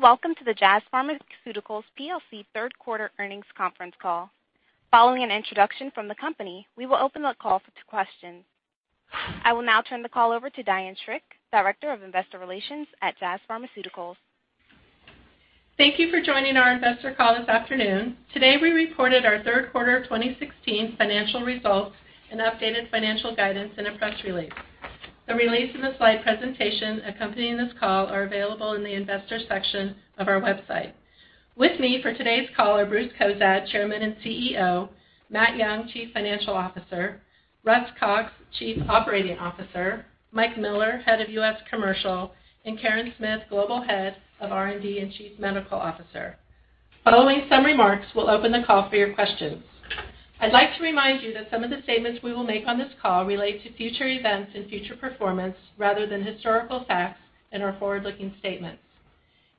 Welcome to the Jazz Pharmaceuticals plc third quarter earnings conference call. Following an introduction from the company, we will open the call for questions. I will now turn the call over to Diane Schrick, Director of Investor Relations at Jazz Pharmaceuticals. Thank you for joining our investor call this afternoon. Today, we reported our third quarter of 2016 financial results and updated financial guidance in a press release. The release and the slide presentation accompanying this call are available in the Investors section of our website. With me for today's call are Bruce Cozadd, Chairman and CEO, Matthew Young, Chief Financial Officer, Russell Cox, Chief Operating Officer, Michael Miller, Head of U.S. Commercial, and Karen Smith, Global Head of R&D and Chief Medical Officer. Following some remarks, we'll open the call for your questions. I'd like to remind you that some of the statements we will make on this call relate to future events and future performance rather than historical facts and are forward-looking statements.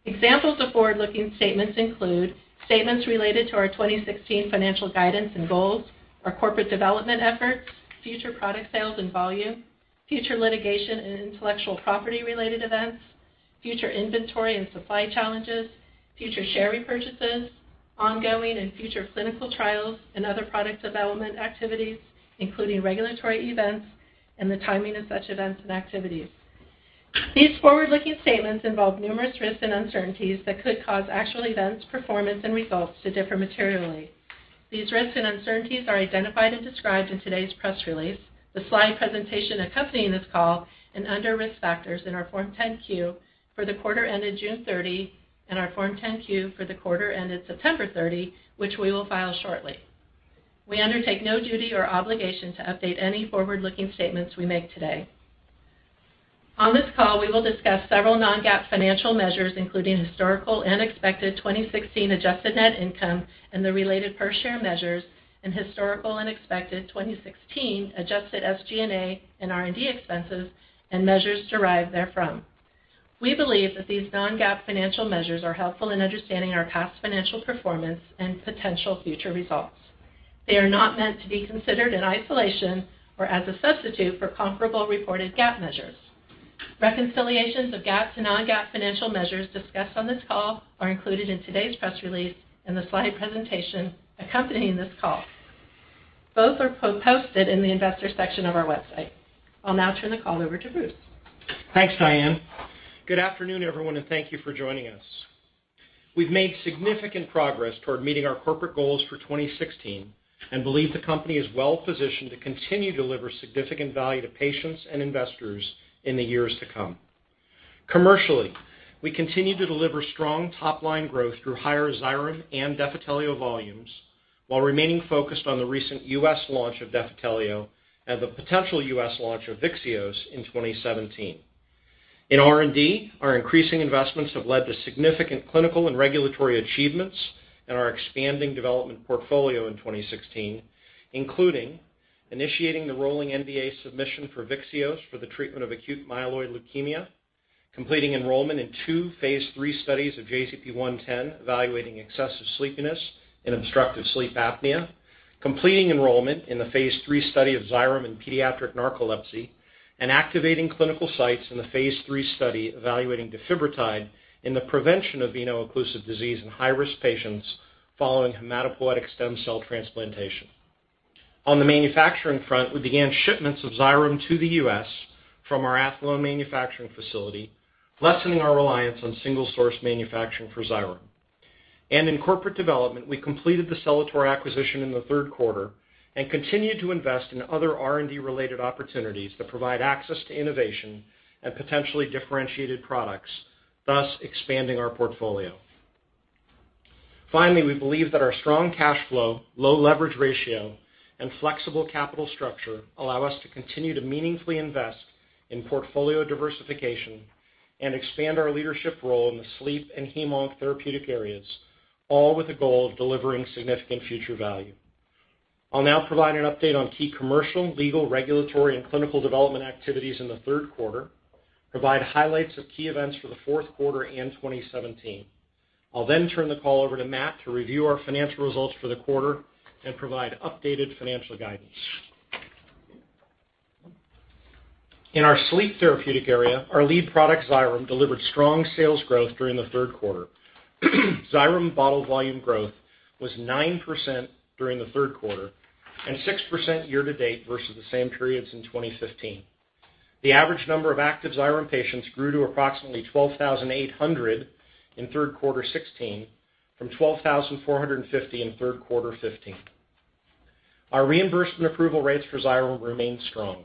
Examples of forward-looking statements include statements related to our 2016 financial guidance and goals, our corporate development efforts, future product sales and volume, future litigation and intellectual property-related events, future inventory and supply challenges, future share repurchases, ongoing and future clinical trials and other product development activities, including regulatory events and the timing of such events and activities. These forward-looking statements involve numerous risks and uncertainties that could cause actual events, performance and results to differ materially. These risks and uncertainties are identified and described in today's press release, the slide presentation accompanying this call and under Risk Factors in our Form 10-Q for the quarter ended June 30 and our Form 10-Q for the quarter ended September 30, which we will file shortly. We undertake no duty or obligation to update any forward-looking statements we make today. On this call, we will discuss several non-GAAP financial measures, including historical and expected 2016 adjusted net income and the related per share measures and historical and expected 2016 adjusted SG&A and R&D expenses and measures derived therefrom. We believe that these non-GAAP financial measures are helpful in understanding our past financial performance and potential future results. They are not meant to be considered in isolation or as a substitute for comparable reported GAAP measures. Reconciliations of GAAP to non-GAAP financial measures discussed on this call are included in today's press release and the slide presentation accompanying this call. Both are posted in the Investors section of our website. I'll now turn the call over to Bruce. Thanks, Diane. Good afternoon, everyone, and thank you for joining us. We've made significant progress toward meeting our corporate goals for 2016 and believe the company is well positioned to continue to deliver significant value to patients and investors in the years to come. Commercially, we continue to deliver strong top-line growth through higher Xyrem and Defitelio volumes while remaining focused on the recent U.S. launch of Defitelio and the potential U.S. launch of Vyxeos in 2017. In R&D, our increasing investments have led to significant clinical and regulatory achievements in our expanding development portfolio in 2016, including initiating the rolling NDA submission for Vyxeos for the treatment of acute myeloid leukemia, completing enrollment in two phase III studies of JZP-110 evaluating excessive sleepiness and obstructive sleep apnea, completing enrollment in the phase III study of Xyrem in pediatric narcolepsy, and activating clinical sites in the phase III study evaluating Defibrotide in the prevention of veno-occlusive disease in high-risk patients following hematopoietic stem cell transplantation. On the manufacturing front, we began shipments of Xyrem to the U.S. from our Athlone manufacturing facility, lessening our reliance on single-source manufacturing for Xyrem. In corporate development, we completed the Celator acquisition in the third quarter and continued to invest in other R&D-related opportunities that provide access to innovation and potentially differentiated products, thus expanding our portfolio. Finally, we believe that our strong cash flow, low leverage ratio and flexible capital structure allow us to continue to meaningfully invest in portfolio diversification and expand our leadership role in the sleep and heme/onc therapeutic areas, all with the goal of delivering significant future value. I'll now provide an update on key commercial, legal, regulatory and clinical development activities in the third quarter, provide highlights of key events for the fourth quarter and 2017. I'll then turn the call over to Matt to review our financial results for the quarter and provide updated financial guidance. In our sleep therapeutic area, our lead product, Xyrem, delivered strong sales growth during the third quarter. Xyrem bottle volume growth was 9% during the third quarter and 6% year to date versus the same periods in 2015. The average number of active Xyrem patients grew to approximately 12,800 in third quarter 2016 from 12,450 in third quarter 2015. Our reimbursement approval rates for Xyrem remain strong.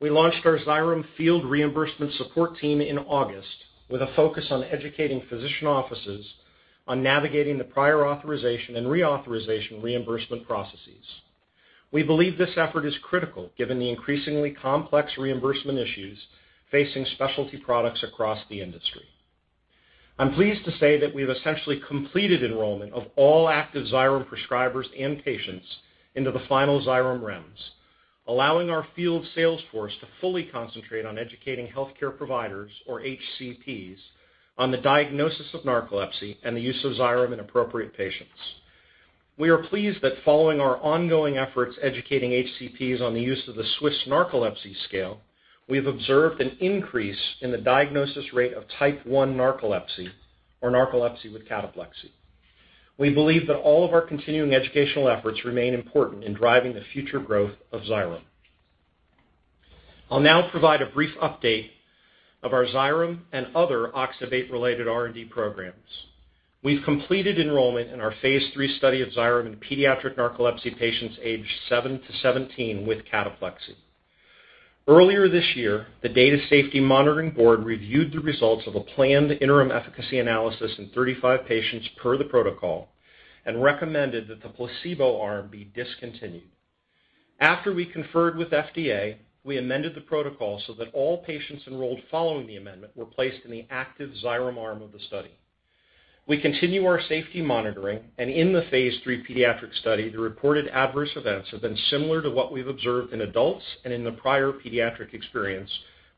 We launched our Xyrem field reimbursement support team in August with a focus on educating physician offices on navigating the prior authorization and reauthorization reimbursement processes. We believe this effort is critical given the increasingly complex reimbursement issues facing specialty products across the industry. I'm pleased to say that we've essentially completed enrollment of all active Xyrem prescribers and patients into the final Xyrem REMS, allowing our field sales force to fully concentrate on educating healthcare providers, or HCPs, on the diagnosis of narcolepsy and the use of Xyrem in appropriate patients. We are pleased that following our ongoing efforts educating HCPs on the use of the Swiss Narcolepsy Scale, we have observed an increase in the diagnosis rate of type one narcolepsy or narcolepsy with cataplexy. We believe that all of our continuing educational efforts remain important in driving the future growth of Xyrem. I'll now provide a brief update of our Xyrem and other oxybate-related R&D programs. We've completed enrollment in our phase three study of Xyrem in pediatric narcolepsy patients aged seven to 17 with cataplexy. Earlier this year, the Data Safety Monitoring Board reviewed the results of a planned interim efficacy analysis in 35 patients per the protocol and recommended that the placebo arm be discontinued. After we conferred with FDA, we amended the protocol so that all patients enrolled following the amendment were placed in the active Xyrem arm of the study. We continue our safety monitoring, and in the phase III pediatric study, the reported adverse events have been similar to what we've observed in adults and in the prior pediatric experience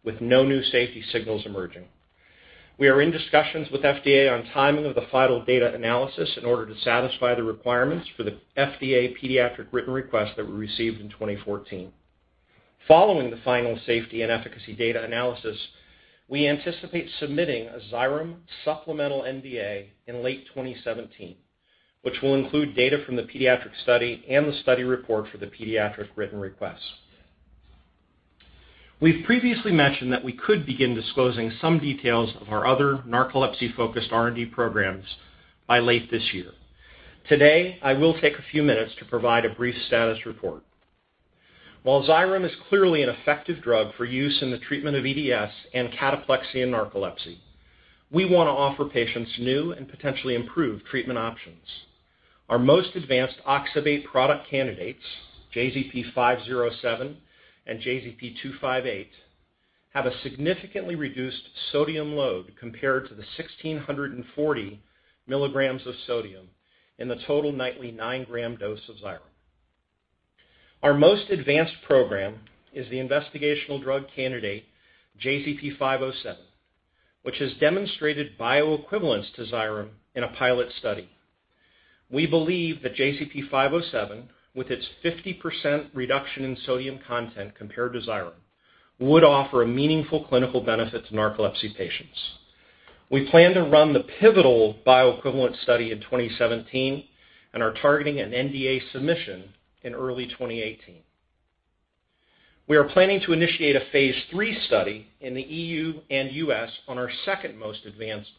with no new safety signals emerging. We are in discussions with FDA on timing of the final data analysis in order to satisfy the requirements for the FDA pediatric written request that we received in 2014. Following the final safety and efficacy data analysis, we anticipate submitting a Xyrem supplemental NDA in late 2017, which will include data from the pediatric study and the study report for the pediatric written request. We've previously mentioned that we could begin disclosing some details of our other narcolepsy-focused R&D programs by late this year. Today, I will take a few minutes to provide a brief status report. While Xyrem is clearly an effective drug for use in the treatment of EDS and cataplexy and narcolepsy, we want to offer patients new and potentially improved treatment options. Our most advanced oxybate product candidates, JZP-507 and JZP-258, have a significantly reduced sodium load compared to the 1,640 milligrams of sodium in the total nightly 9-gram dose of Xyrem. Our most advanced program is the investigational drug candidate JZP-507, which has demonstrated bioequivalence to Xyrem in a pilot study. We believe that JZP-507, with its 50% reduction in sodium content compared to Xyrem, would offer a meaningful clinical benefit to narcolepsy patients. We plan to run the pivotal bioequivalent study in 2017 and are targeting an NDA submission in early 2018. We are planning to initiate a phase III study in the E.U. and U.S. on our second most advanced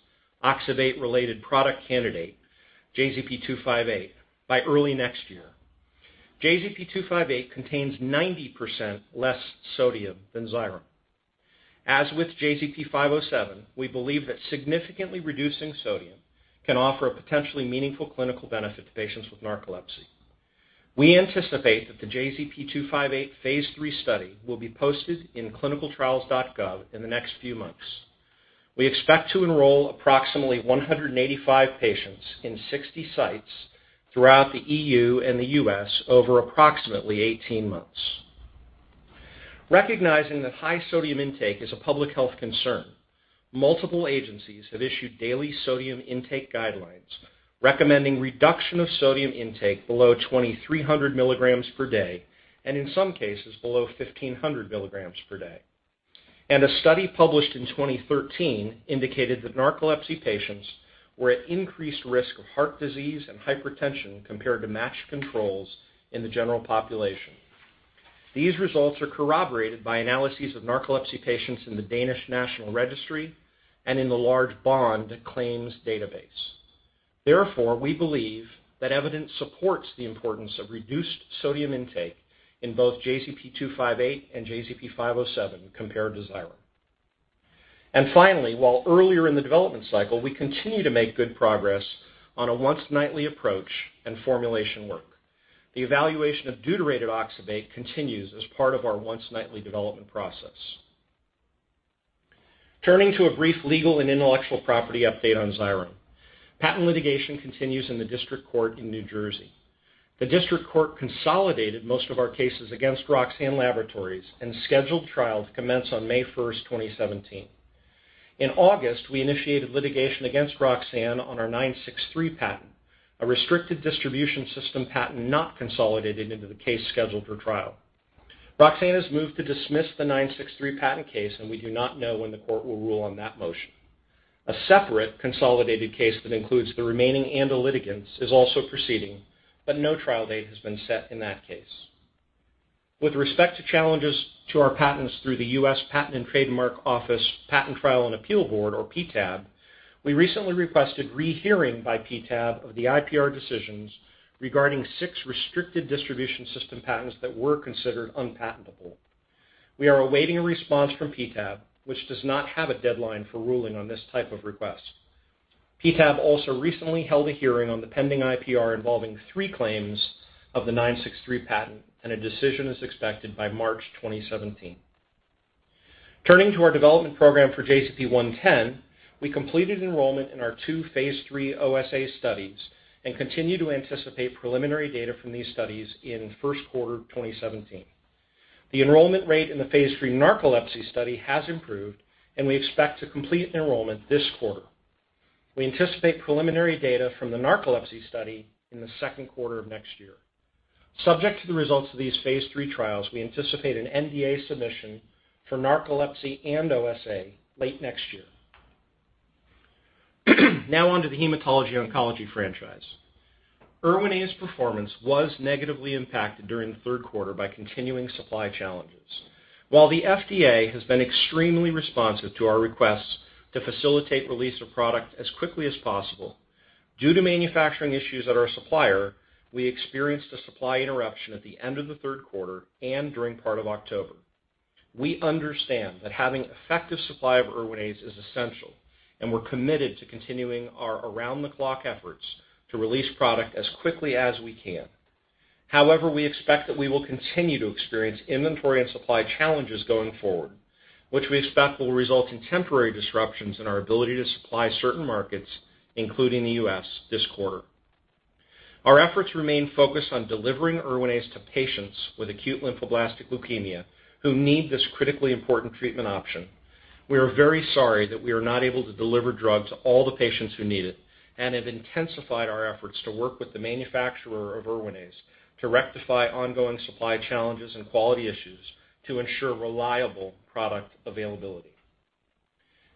oxybate-related product candidate, JZP-258, by early next year. JZP-258 contains 90% less sodium than Xyrem. As with JZP-507, we believe that significantly reducing sodium can offer a potentially meaningful clinical benefit to patients with narcolepsy. We anticipate that the JZP-258 phase III study will be posted in ClinicalTrials.gov in the next few months. We expect to enroll approximately 185 patients in 60 sites throughout the E.U. and the U.S. over approximately 18 months. Recognizing that high sodium intake is a public health concern, multiple agencies have issued daily sodium intake guidelines recommending reduction of sodium intake below 2,300 milligrams per day and in some cases below 1,500 milligrams per day. A study published in 2013 indicated that narcolepsy patients were at increased risk of heart disease and hypertension compared to matched controls in the general population. These results are corroborated by analyses of narcolepsy patients in the Danish National Registry and in the large BOND claims database. Therefore, we believe that evidence supports the importance of reduced sodium intake in both JZP-258 and JZP-507 compared to Xyrem. Finally, while earlier in the development cycle, we continue to make good progress on a once-nightly approach and formulation work. The evaluation of deuterated oxybate continues as part of our once-nightly development process. Turning to a brief legal and intellectual property update on Xyrem. Patent litigation continues in the District Court in New Jersey. The District Court consolidated most of our cases against Roxane Laboratories and scheduled trial to commence on May 1st, 2017. In August, we initiated litigation against Roxane on our 963 patent, a restricted distribution system patent not consolidated into the case scheduled for trial. Roxane has moved to dismiss the 963 patent case, and we do not know when the court will rule on that motion. A separate consolidated case that includes the remaining ANDA litigants is also proceeding, but no trial date has been set in that case. With respect to challenges to our patents through the United States Patent and Trademark Office Patent Trial and Appeal Board or PTAB, we recently requested rehearing by PTAB of the IPR decisions regarding six restricted distribution system patents that were considered unpatentable. We are awaiting a response from PTAB, which does not have a deadline for ruling on this type of request. PTAB also recently held a hearing on the pending IPR involving three claims of the 963 patent, and a decision is expected by March 2017. Turning to our development program for JZP-110, we completed enrollment in our two phase III OSA studies and continue to anticipate preliminary data from these studies in first quarter 2017. The enrollment rate in the phase III narcolepsy study has improved, and we expect to complete enrollment this quarter. We anticipate preliminary data from the narcolepsy study in the second quarter of next year. Subject to the results of these phase III trials, we anticipate an NDA submission for narcolepsy and OSA late next year. Now on to the hematology/oncology franchise. Erwinaze performance was negatively impacted during the third quarter by continuing supply challenges. While the FDA has been extremely responsive to our requests to facilitate release of product as quickly as possible, due to manufacturing issues at our supplier, we experienced a supply interruption at the end of the third quarter and during part of October. We understand that having effective supply of Erwinaze is essential, and we're committed to continuing our around-the-clock efforts to release product as quickly as we can. However, we expect that we will continue to experience inventory and supply challenges going forward, which we expect will result in temporary disruptions in our ability to supply certain markets, including the U.S. this quarter. Our efforts remain focused on delivering Erwinaze to patients with acute lymphoblastic leukemia who need this critically important treatment option. We are very sorry that we are not able to deliver drugs to all the patients who need it and have intensified our efforts to work with the manufacturer of Erwinaze to rectify ongoing supply challenges and quality issues to ensure reliable product availability.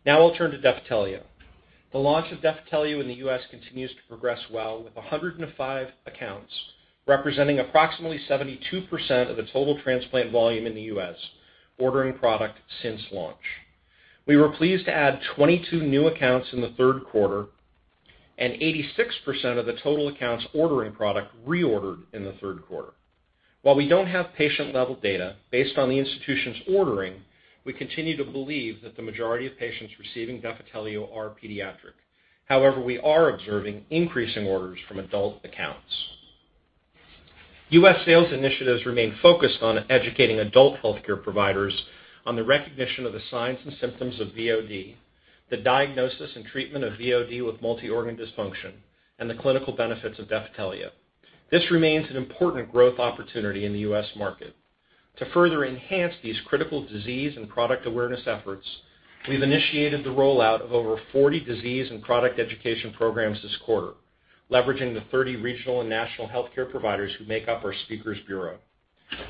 Now I'll turn to Defitelio. The launch of Defitelio in the U.S. continues to progress well, with 105 accounts representing approximately 72% of the total transplant volume in the U.S. ordering product since launch. We were pleased to add 22 new accounts in the third quarter, and 86% of the total accounts ordering product reordered in the third quarter. While we don't have patient-level data based on the institutions ordering, we continue to believe that the majority of patients receiving Defitelio are pediatric. However, we are observing increasing orders from adult accounts. U.S. sales initiatives remain focused on educating adult healthcare providers on the recognition of the signs and symptoms of VOD, the diagnosis, and treatment of VOD with multi-organ dysfunction, and the clinical benefits of Defitelio. This remains an important growth opportunity in the U.S. market. To further enhance these critical disease and product awareness efforts, we've initiated the rollout of over 40 disease and product education programs this quarter, leveraging the 30 regional and national healthcare providers who make up our speakers bureau.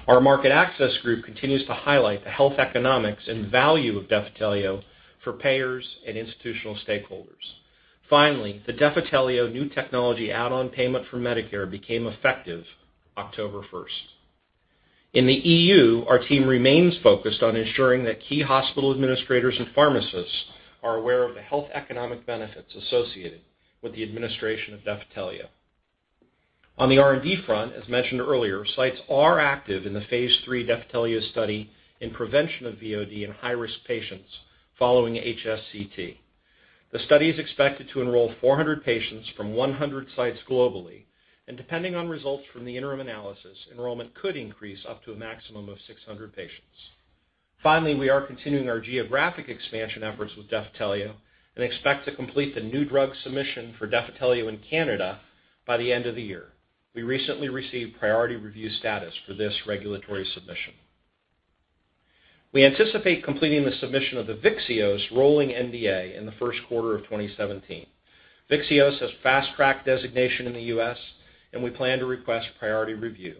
Our market access group continues to highlight the health economics and value of Defitelio for payers and institutional stakeholders. Finally, the Defitelio new technology add-on payment for Medicare became effective October first. In the E.U., our team remains focused on ensuring that key hospital administrators and pharmacists are aware of the health economic benefits associated with the administration of Defitelio. On the R&D front, as mentioned earlier, sites are active in the phase III Defitelio study in prevention of VOD in high-risk patients following HSCT. The study is expected to enroll 400 patients from 100 sites globally, and depending on results from the interim analysis, enrollment could increase up to a maximum of 600 patients. Finally, we are continuing our geographic expansion efforts with Defitelio and expect to complete the new drug submission for Defitelio in Canada by the end of the year. We recently received priority review status for this regulatory submission. We anticipate completing the submission of the Vyxeos rolling NDA in the first quarter of 2017. Vyxeos has Fast Track designation in the U.S., and we plan to request priority review.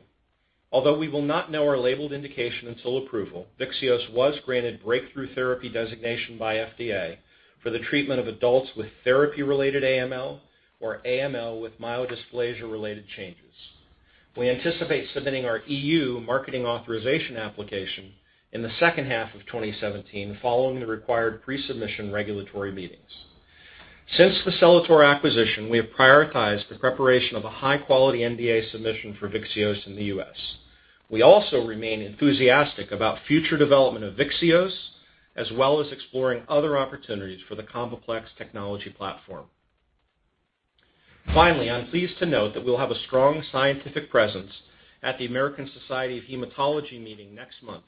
Although we will not know our labeled indication until approval, Vyxeos was granted Breakthrough Therapy designation by FDA for the treatment of adults with therapy-related AML or AML with myelodysplasia-related changes. We anticipate submitting our E.U. Marketing Authorization Application in the second half of 2017 following the required pre-submission regulatory meetings. Since the Celator acquisition, we have prioritized the preparation of a high-quality NDA submission for Vyxeos in the U.S. We also remain enthusiastic about future development of Vyxeos, as well as exploring other opportunities for the CombiPlex technology platform. Finally, I'm pleased to note that we'll have a strong scientific presence at the American Society of Hematology meeting next month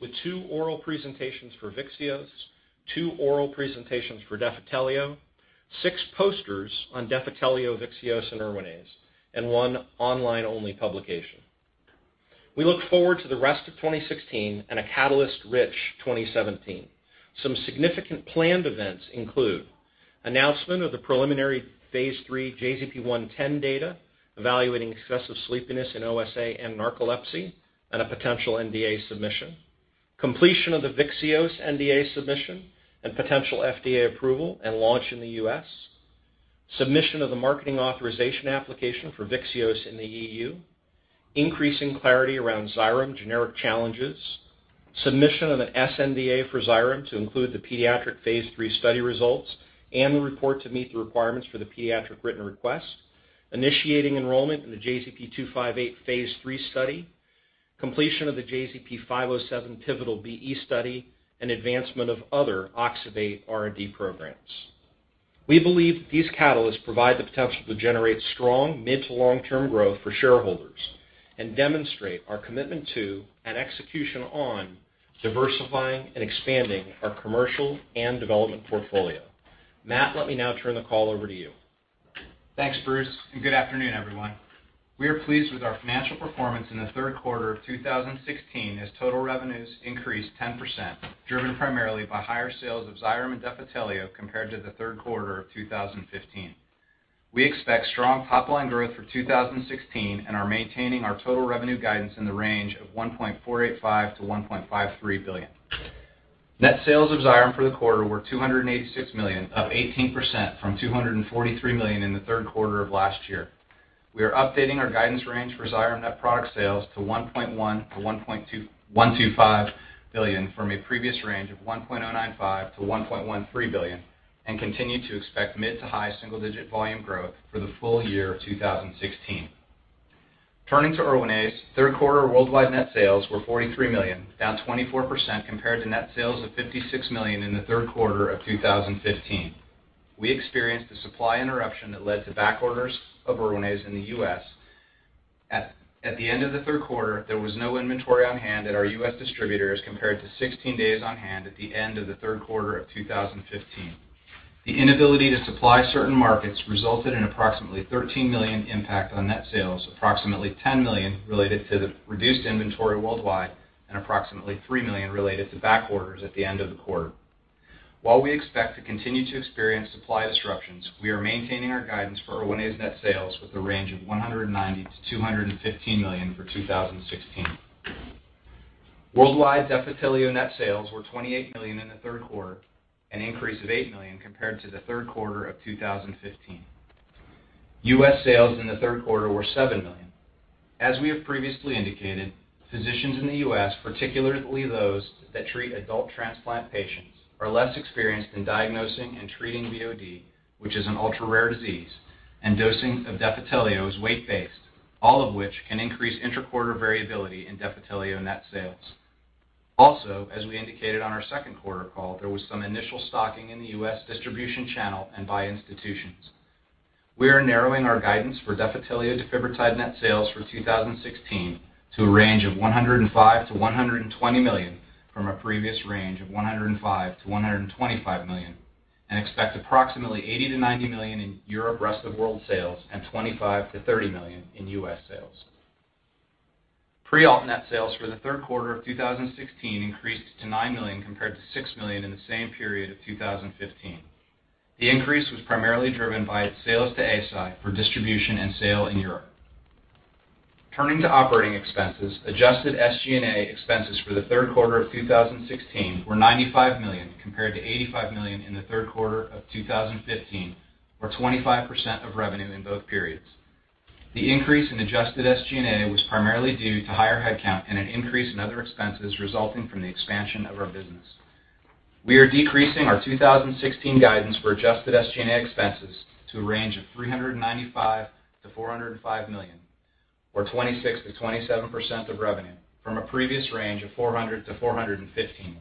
with two oral presentations for Vyxeos, two oral presentations for Defitelio, six posters on Defitelio, Vyxeos, and Erwinaze, and one online-only publication. We look forward to the rest of 2016 and a catalyst-rich 2017. Some significant planned events include announcement of the preliminary phase III JZP-110 data evaluating excessive sleepiness in OSA and narcolepsy and a potential NDA submission. Completion of the Vyxeos NDA submission and potential FDA approval and launch in the U.S. Submission of the Marketing Authorization Application for Vyxeos in the E.U. Increasing clarity around Xyrem generic challenges. Submission of an sNDA for Xyrem to include the pediatric phase III study results and the report to meet the requirements for the pediatric written request. Initiating enrollment in the JZP-258 phase III study. Completion of the JZP-507 pivotal BE study and advancement of other oxybate R&D programs. We believe these catalysts provide the potential to generate strong mid- to long-term growth for shareholders and demonstrate our commitment to and execution on diversifying and expanding our commercial and development portfolio. Matt, let me now turn the call over to you. Thanks, Bruce, and good afternoon, everyone. We are pleased with our financial performance in the third quarter of 2016 as total revenues increased 10%, driven primarily by higher sales of Xyrem and Defitelio compared to the third quarter of 2015. We expect strong top line growth for 2016 and are maintaining our total revenue guidance in the range of $1.485 billion-$1.53 billion. Net sales of Xyrem for the quarter were $286 million, up 18% from $243 million in the third quarter of last year. We are updating our guidance range for Xyrem net product sales to $1.1-$1.25 billion from a previous range of $1.095-$1.13 billion and continue to expect mid- to high single-digit volume growth for the full year of 2016. Turning to Erwinaze, third quarter worldwide net sales were $43 million, down 24% compared to net sales of $56 million in the third quarter of 2015. We experienced a supply interruption that led to back orders of Erwinaze in the U.S. At the end of the third quarter, there was no inventory on hand at our U.S. distributors compared to 16 days on hand at the end of the third quarter of 2015. The inability to supply certain markets resulted in approximately $13 million impact on net sales, approximately $10 million related to the reduced inventory worldwide and approximately $3 million related to back orders at the end of the quarter. While we expect to continue to experience supply disruptions, we are maintaining our guidance for Erwinaze net sales with a range of $190 million-$215 million for 2016. Worldwide Defitelio net sales were $28 million in the third quarter, an increase of $8 million compared to the third quarter of 2015. U.S. sales in the third quarter were $7 million. As we have previously indicated, physicians in the U.S., particularly those that treat adult transplant patients, are less experienced in diagnosing and treating VOD, which is an ultra-rare disease, and dosing of Defitelio is weight-based, all of which can increase interquarter variability in Defitelio net sales. Also, as we indicated on our second quarter call, there was some initial stocking in the U.S. distribution channel and by institutions. We are narrowing our guidance for Defitelio defibrotide net sales for 2016 to a range of $105 million-$120 million from a previous range of $105 million-$125 million and expect approximately $80 million-$90 million in Europe rest of world sales and $25 million-$30 million in U.S. sales. Prialt net sales for the third quarter of 2016 increased to $9 million compared to $6 million in the same period of 2015. The increase was primarily driven by its sales to ASI for distribution and sale in Europe. Turning to operating expenses, adjusted SG&A expenses for the third quarter of 2016 were $95 million compared to $85 million in the third quarter of 2015, or 25% of revenue in both periods. The increase in adjusted SG&A was primarily due to higher headcount and an increase in other expenses resulting from the expansion of our business. We are decreasing our 2016 guidance for adjusted SG&A expenses to a range of $395 million-$405 million or 26%-27% of revenue from a previous range of $400 million-$415 million.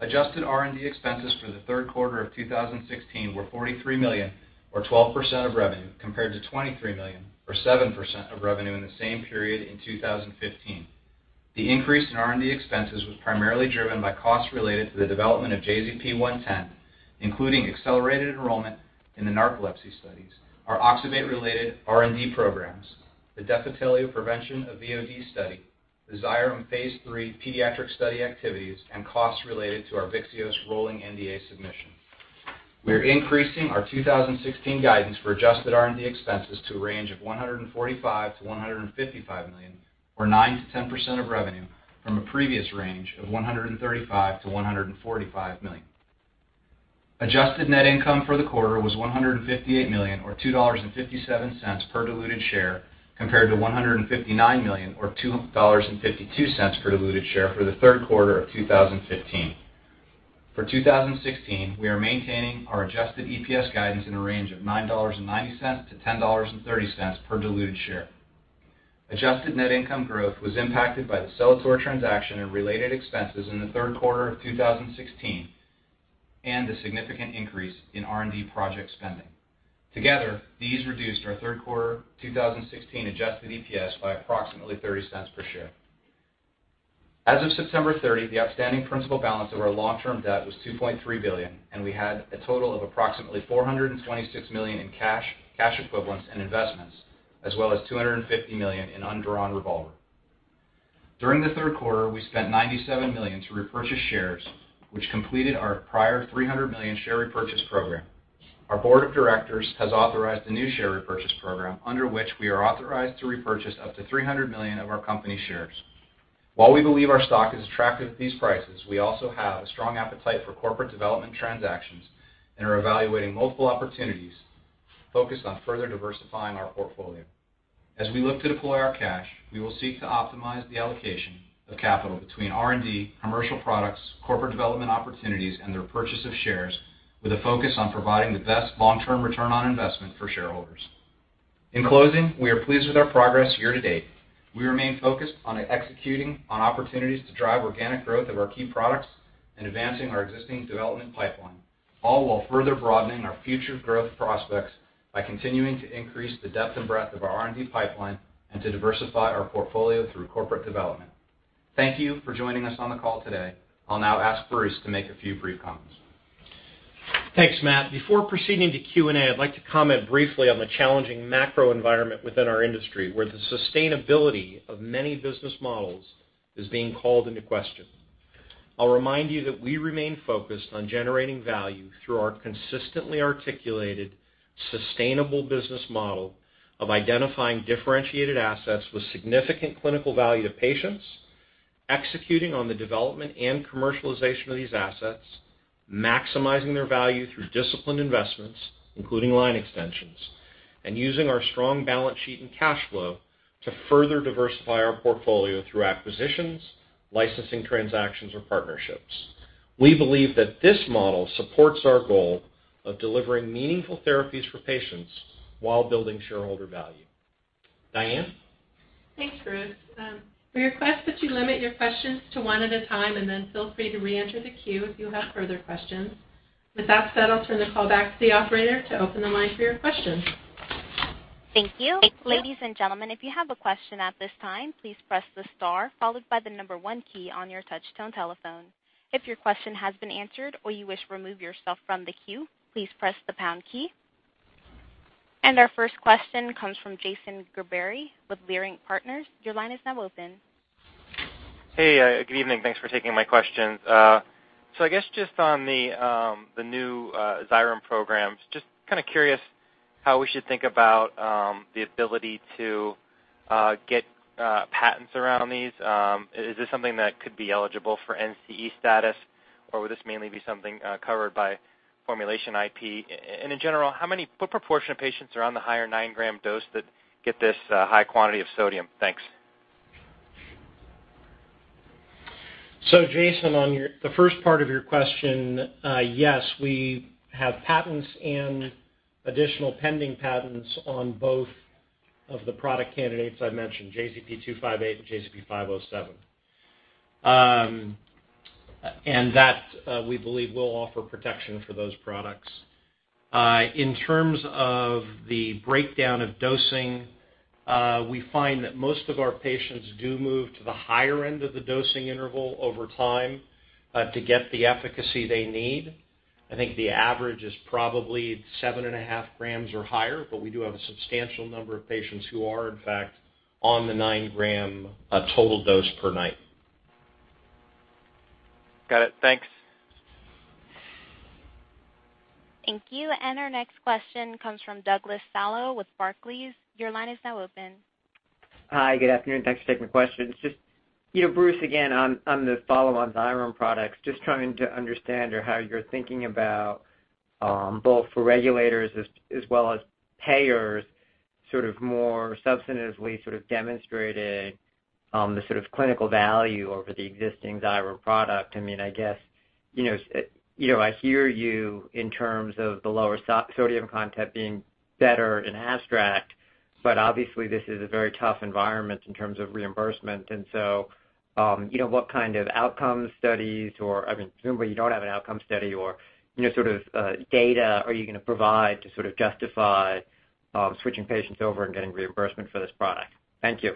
Adjusted R&D expenses for the third quarter of 2016 were $43 million or 12% of revenue, compared to $23 million or 7% of revenue in the same period in 2015. The increase in R&D expenses was primarily driven by costs related to the development of JZP-110, including accelerated enrollment in the narcolepsy studies, our oxybate-related R&D programs, the Defitelio prevention of VOD study, the Xyrem phase III pediatric study activities, and costs related to our Vyxeos rolling NDA submission. We are increasing our 2016 guidance for adjusted R&D expenses to a range of $145 million-$155 million, or 9%-10% of revenue, from a previous range of $135 million-$145 million. Adjusted net income for the quarter was $158 million or $2.57 per diluted share, compared to $159 million or $2.52 per diluted share for the third quarter of 2015. For 2016, we are maintaining our adjusted EPS guidance in a range of $9.90-$10.30 per diluted share. Adjusted net income growth was impacted by the Celator transaction and related expenses in the third quarter of 2016 and a significant increase in R&D project spending. Together, these reduced our third quarter 2016 adjusted EPS by approximately $0.30 per share. As of September 30, the outstanding principal balance of our long-term debt was $2.3 billion, and we had a total of approximately $426 million in cash equivalents, and investments, as well as $250 million in undrawn revolver. During the third quarter, we spent $97 million to repurchase shares, which completed our prior $300 million share repurchase program. Our board of directors has authorized a new share repurchase program under which we are authorized to repurchase up to $300 million of our company shares. While we believe our stock is attractive at these prices, we also have a strong appetite for corporate development transactions and are evaluating multiple opportunities focused on further diversifying our portfolio. As we look to deploy our cash, we will seek to optimize the allocation of capital between R&D, commercial products, corporate development opportunities, and the repurchase of shares with a focus on providing the best long-term return on investment for shareholders. In closing, we are pleased with our progress year to date. We remain focused on executing on opportunities to drive organic growth of our key products and advancing our existing development pipeline, all while further broadening our future growth prospects by continuing to increase the depth and breadth of our R&D pipeline and to diversify our portfolio through corporate development. Thank you for joining us on the call today. I'll now ask Bruce to make a few brief comments. Thanks, Matt. Before proceeding to Q&A, I'd like to comment briefly on the challenging macro environment within our industry, where the sustainability of many business models is being called into question. I'll remind you that we remain focused on generating value through our consistently articulated sustainable business model of identifying differentiated assets with significant clinical value to patients, executing on the development and commercialization of these assets, maximizing their value through disciplined investments, including line extensions, and using our strong balance sheet and cash flow to further diversify our portfolio through acquisitions, licensing transactions or partnerships. We believe that this model supports our goal of delivering meaningful therapies for patients while building shareholder value. Diane? Thanks, Bruce. We request that you limit your questions to one at a time, and then feel free to reenter the queue if you have further questions. With that said, I'll turn the call back to the operator to open the line for your questions. Thank you. Ladies and gentlemen, if you have a question at this time, please press the star followed by the one key on your touch tone telephone. If your question has been answered or you wish to remove yourself from the queue, please press the pound key. Our first question comes from Jason Gerberry with Leerink Partners. Your line is now open. Hey. Good evening. Thanks for taking my questions. I guess just on the new Xyrem programs, just kind of curious how we should think about the ability to get patents around these. Is this something that could be eligible for NCE status, or would this mainly be something covered by formulation IP? And in general, what proportion of patients are on the higher 9-gram dose that get this high quantity of sodium? Thanks. Jason, on the first part of your question, yes, we have patents and additional pending patents on both of the product candidates I mentioned, JZP-258 and JZP-507. That, we believe will offer protection for those products. In terms of the breakdown of dosing, we find that most of our patients do move to the higher end of the dosing interval over time, to get the efficacy they need. I think the average is probably 7.5 grams or higher, but we do have a substantial number of patients who are, in fact, on the 9-gram total dose per night. Got it. Thanks. Thank you. Our next question comes from Douglas Tsao with Barclays. Your line is now open. Hi. Good afternoon. Thanks for taking my questions. Just, you know, Bruce, again, on the follow-on Xyrem products, just trying to understand how you're thinking about both for regulators as well as payers, sort of more substantively sort of demonstrating the sort of clinical value over the existing Xyrem product. I mean, I guess, you know, I hear you in terms of the lower sodium content being better in the abstract, but obviously, this is a very tough environment in terms of reimbursement. You know, what kind of outcome studies or, I mean, presumably you don't have an outcome study or, you know, sort of data are you going to provide to sort of justify switching patients over and getting reimbursement for this product? Thank you.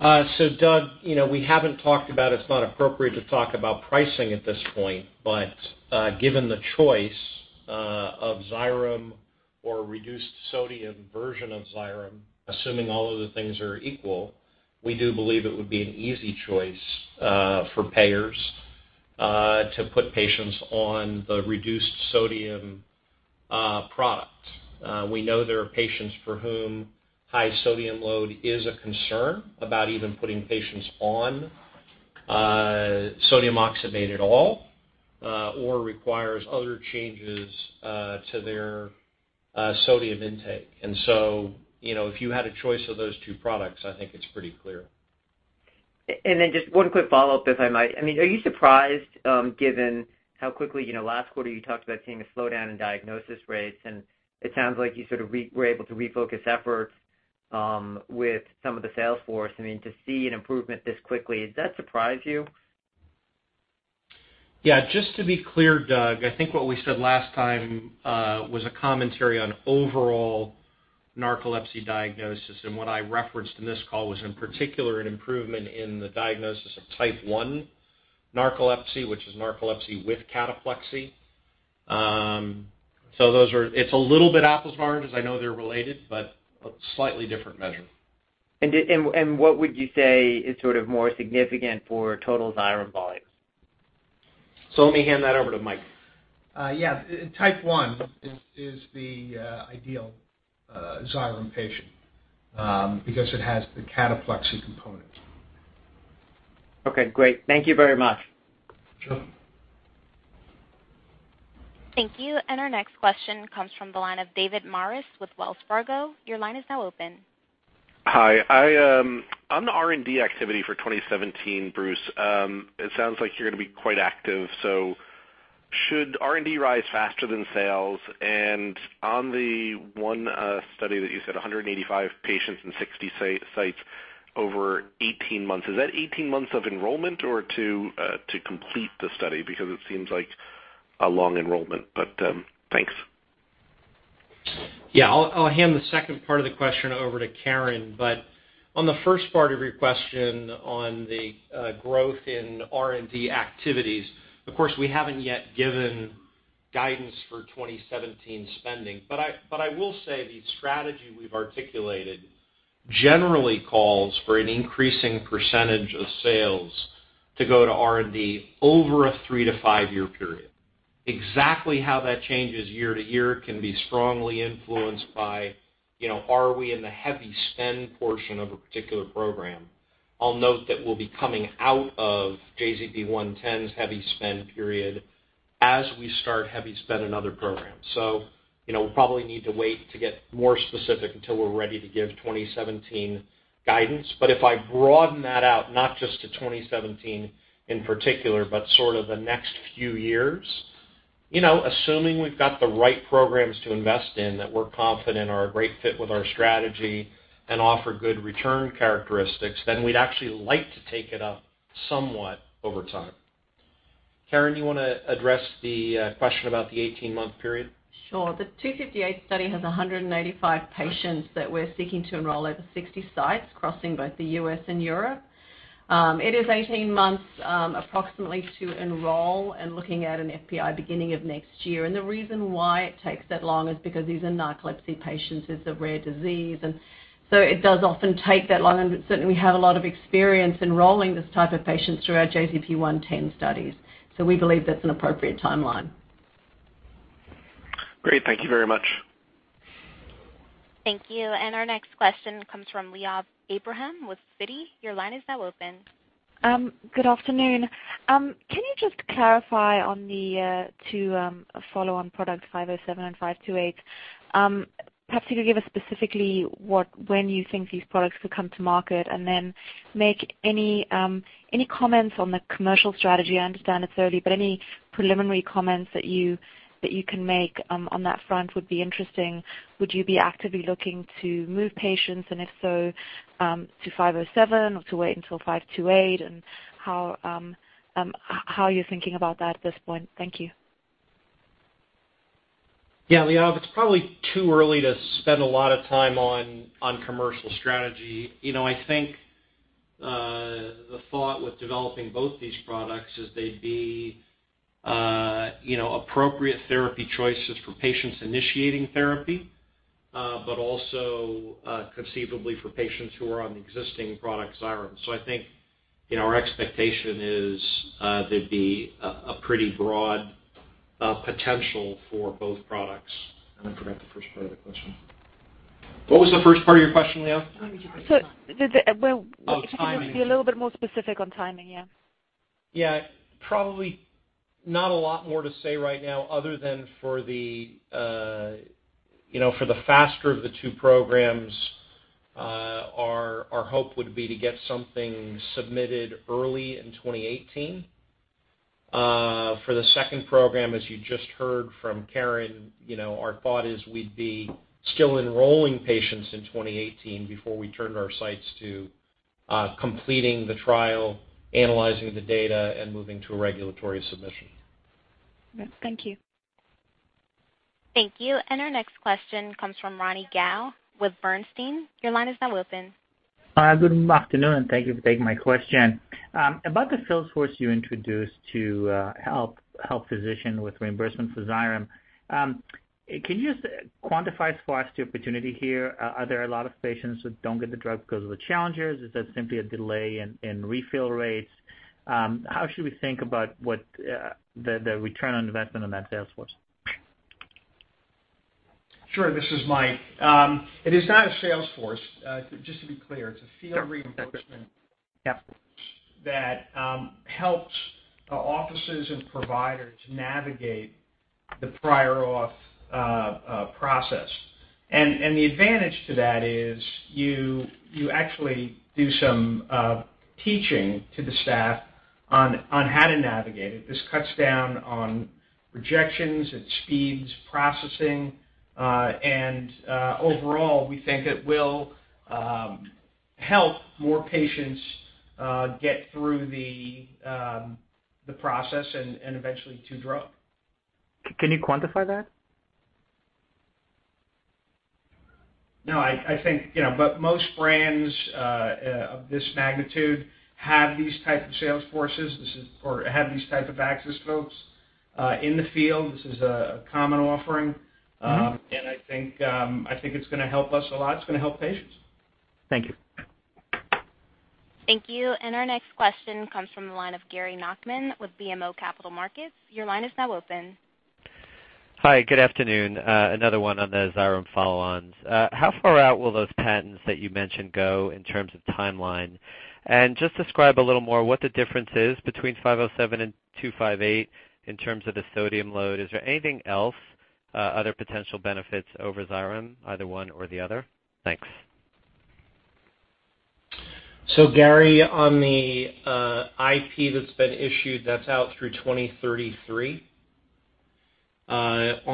Doug, you know, it's not appropriate to talk about pricing at this point, but given the choice of Xyrem or reduced sodium version of Xyrem, assuming all of the things are equal, we do believe it would be an easy choice for payers to put patients on the reduced sodium product. We know there are patients for whom high sodium load is a concern about even putting patients on sodium oxybate at all, or requires other changes to their sodium intake. You know, if you had a choice of those two products, I think it's pretty clear. Just one quick follow-up, if I might. I mean, are you surprised, given how quickly, you know, last quarter you talked about seeing a slowdown in diagnosis rates, and it sounds like you sort of were able to refocus efforts with some of the sales force. I mean, to see an improvement this quickly, does that surprise you? Yeah, just to be clear, Doug, I think what we said last time was a commentary on overall narcolepsy diagnosis. What I referenced in this call was in particular an improvement in the diagnosis of type one narcolepsy, which is narcolepsy with cataplexy. It's a little bit apples and oranges. I know they're related, but slightly different measure. What would you say is sort of more significant for total Xyrem volumes? Let me hand that over to Mike. Yeah. Type one is the ideal Xyrem patient, because it has the cataplexy component. Okay, great. Thank you very much. Sure. Thank you. Our next question comes from the line of David Maris with Wells Fargo. Your line is now open. Hi. On the R&D activity for 2017, Bruce, it sounds like you're going to be quite active, so should R&D rise faster than sales? On the one study that you said 185 patients in 60 sites over 18 months, is that 18 months of enrollment or to complete the study? Because it seems like a long enrollment, but thanks. Yeah, I'll hand the second part of the question over to Karen. On the first part of your question on the growth in R&D activities, of course, we haven't yet given guidance for 2017 spending. I will say the strategy we've articulated generally calls for an increasing percentage of sales to go to R&D over a three-five year period. Exactly how that changes year to year can be strongly influenced by, you know, are we in the heavy spend portion of a particular program. I'll note that we'll be coming out of JZP-110's heavy spend period as we start heavy spend in other programs. You know, we'll probably need to wait to get more specific until we're ready to give 2017 guidance. If I broaden that out, not just to 2017 in particular, but sort of the next few years, you know, assuming we've got the right programs to invest in that we're confident are a great fit with our strategy and offer good return characteristics, then we'd actually like to take it up somewhat over time. Karen, do you wanna address the question about the 18-month period? Sure. The JZP-258 study has 185 patients that we're seeking to enroll at 60 sites, crossing both the U.S. and Europe. It is 18 months, approximately to enroll and looking at an FPI beginning of next year. The reason why it takes that long is because these are narcolepsy patients. It's a rare disease, and so it does often take that long. Certainly, we have a lot of experience enrolling this type of patients through our JZP-110 studies. We believe that's an appropriate timeline. Great. Thank you very much. Thank you. Our next question comes from Liav Abraham with Citi. Your line is now open. Good afternoon. Can you just clarify on the follow-on product 507 and 528? Perhaps you could give us specifically when you think these products could come to market, and then make any comments on the commercial strategy. I understand it's early, but any preliminary comments that you can make on that front would be interesting. Would you be actively looking to move patients, and if so, to 507 or to wait until 528, and how are you thinking about that at this point? Thank you. Yeah, Liav. It's probably too early to spend a lot of time on commercial strategy. You know, I think the thought with developing both these products is they'd be you know, appropriate therapy choices for patients initiating therapy, but also conceivably for patients who are on the existing product Xyrem. So I think you know, our expectation is there'd be a pretty broad potential for both products. I forgot the first part of the question. What was the first part of your question, Liav? Well. Oh, timing. If you could just be a little bit more specific on timing, yeah? Probably not a lot more to say right now other than for the, you know, for the faster of the two programs, our hope would be to get something submitted early in 2018. For the second program, as you just heard from Karen, you know, our thought is we'd be still enrolling patients in 2018 before we turn our sights to completing the trial, analyzing the data, and moving to a regulatory submission. Thank you. Thank you. Our next question comes from Ronny Gal with Bernstein. Your line is now open. Good afternoon, and thank you for taking my question. About the sales force you introduced to help physician with reimbursement for Xyrem, can you just quantify for us the opportunity here? Are there a lot of patients who don't get the drug 'cause of the challenges? Is that simply a delay in refill rates? How should we think about the return on investment on that sales force? Sure. This is Mike. It is not a sales force, just to be clear. It's a field reinforcement- Yep. that helps offices and providers navigate the prior auth process. The advantage to that is you actually do some teaching to the staff on how to navigate it. This cuts down on rejections. It speeds processing. Overall, we think it will help more patients get through the process and eventually to drug. Can you quantify that? No, I think, you know, but most brands of this magnitude have these type of sales forces or have these type of access folks in the field. This is a common offering. Mm-hmm. I think it's gonna help us a lot. It's gonna help patients. Thank you. Thank you. Our next question comes from the line of Gary Nachman with BMO Capital Markets. Your line is now open. Hi, good afternoon. Another one on the Xyrem follow-ons. How far out will those patents that you mentioned go in terms of timeline? Just describe a little more what the difference is between 507 and 258 in terms of the sodium load. Is there anything else, other potential benefits over Xyrem, either one or the other? Thanks. Gary, on the IP that's been issued, that's out through 2033. On JZP-507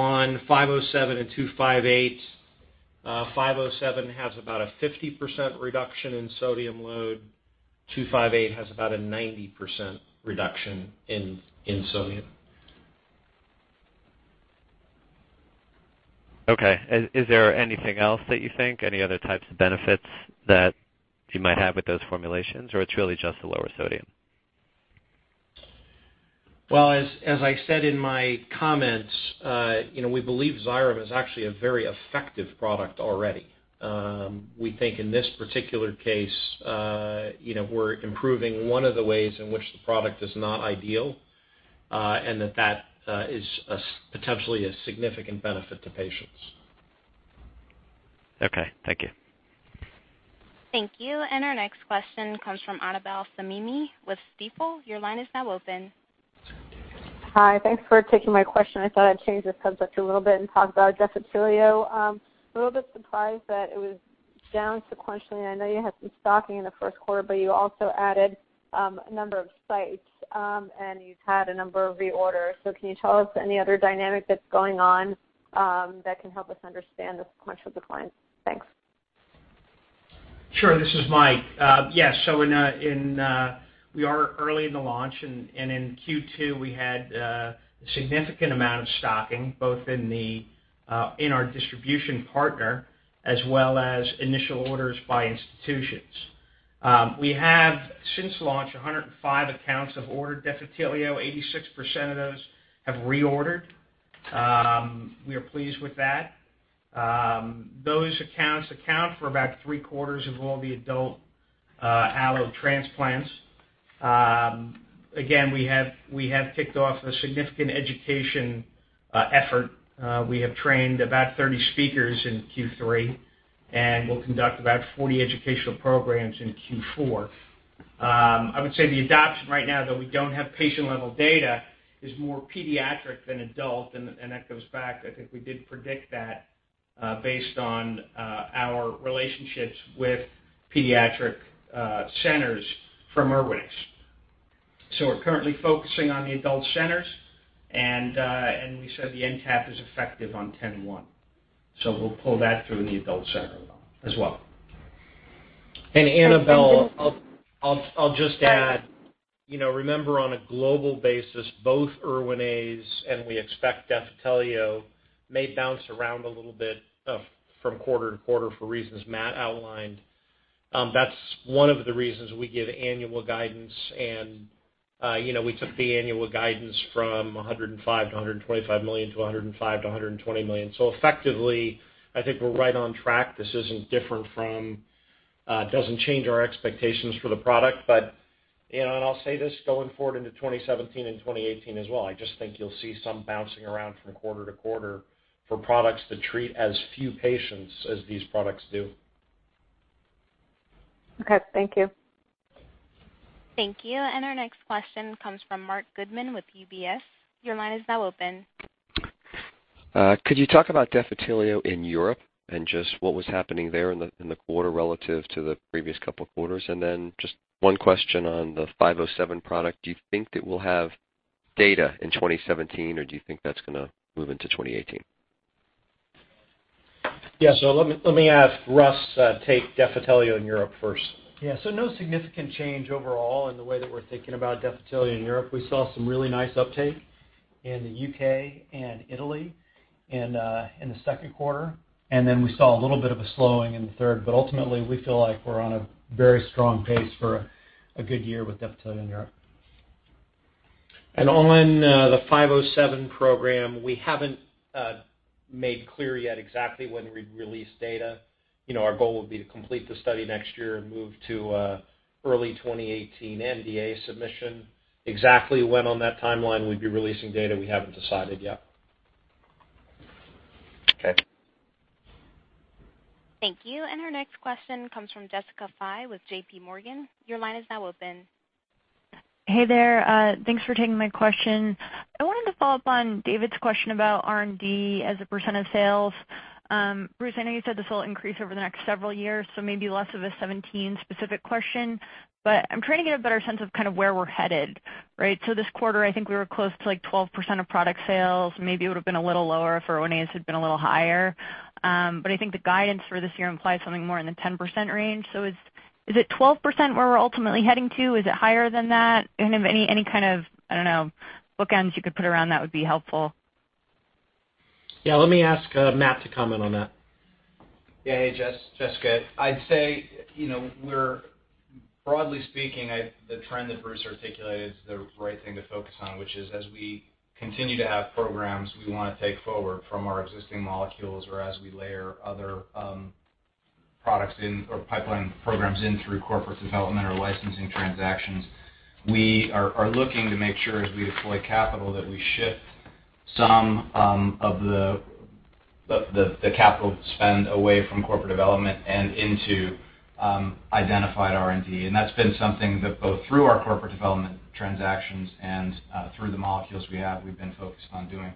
and JZP-258, JZP-507 has about a 50% reduction in sodium load. JZP-258 has about a 90% reduction in sodium. Okay. Is there anything else that you think, any other types of benefits that you might have with those formulations or it's really just the lower sodium? Well, as I said in my comments, you know, we believe Xyrem is actually a very effective product already. We think in this particular case, you know, we're improving one of the ways in which the product is not ideal, and that is potentially a significant benefit to patients. Okay, thank you. Thank you. Our next question comes from Annabel Samimy with Stifel. Your line is now open. Hi. Thanks for taking my question. I thought I'd change the subject a little bit and talk about Defitelio. A little bit surprised that it was down sequentially. I know you had some stocking in the first quarter, but you also added a number of sites, and you've had a number of reorders. Can you tell us any other dynamic that's going on that can help us understand the sequential decline? Thanks. This is Mike. We are early in the launch, and in Q2, we had a significant amount of stocking, both in our distribution partner as well as initial orders by institutions. We have since launch 105 accounts have ordered Defitelio, 86% of those have reordered. We are pleased with that. Those accounts account for about three quarters of all the adult allo transplants. Again, we have kicked off a significant education effort. We have trained about 30 speakers in Q3, and we'll conduct about 40 educational programs in Q4. I would say the adoption right now, though we don't have patient-level data, is more pediatric than adult, and that goes back. I think we did predict that based on our relationships with pediatric centers for Erwinaze. We're currently focusing on the adult centers, and we said the NTAP is effective on 10/1. We'll pull that through in the adult center as well. Annabel, I'll just add- Sorry. You know, remember on a global basis, both Erwinaze and Defitelio we expect may bounce around a little bit from quarter to quarter for reasons Matt outlined. That's one of the reasons we give annual guidance and, you know, we took the annual guidance from $105 million-$125 million to $105 million-$120 million. Effectively, I think we're right on track. This isn't different from, doesn't change our expectations for the product. You know, and I'll say this going forward into 2017 and 2018 as well, I just think you'll see some bouncing around from quarter to quarter for products that treat as few patients as these products do. Okay. Thank you. Thank you. Our next question comes from Marc Goodman with UBS. Your line is now open. Could you talk about Defitelio in Europe and just what was happening there in the quarter relative to the previous couple of quarters? Just one question on the 507 product. Do you think that we'll have data in 2017, or do you think that's gonna move into 2018? Yeah. Let me have Russ take Defitelio in Europe first. No significant change overall in the way that we're thinking about Defitelio in Europe. We saw some really nice uptake in the U.K. and Italy and in the second quarter. We saw a little bit of a slowing in the third. Ultimately, we feel like we're on a very strong pace for a good year with Defitelio in Europe. On the JZP-507 program, we haven't made clear yet exactly when we'd release data. You know, our goal would be to complete the study next year and move to early 2018 NDA submission. Exactly when on that timeline we'd be releasing data, we haven't decided yet. Okay. Thank you. Our next question comes from Jessica Fye with JPMorgan. Your line is now open. Hey there. Thanks for taking my question. I wanted to follow up on David's question about R&D as a percent of sales. Bruce, I know you said this will increase over the next several years, so maybe less of a 17 specific question. I'm trying to get a better sense of kind of where we're headed, right? This quarter, I think we were close to, like, 12% of product sales. Maybe it would have been a little lower if Erwinaze had been a little higher. I think the guidance for this year implies something more in the 10% range. Is it 12% where we're ultimately heading to? Is it higher than that? And if any kind of, I don't know, bookends you could put around that would be helpful. Yeah, let me ask Matt to comment on that. Yeah. Hey, Jessica. I'd say, you know, we're broadly speaking, the trend that Bruce articulated is the right thing to focus on, which is as we continue to have programs we wanna take forward from our existing molecules or as we layer other products in or pipeline programs in through corporate development or licensing transactions, we are looking to make sure as we deploy capital that we shift some of the capital spend away from corporate development and into identified R&D. That's been something that both through our corporate development transactions and through the molecules we have, we've been focused on doing.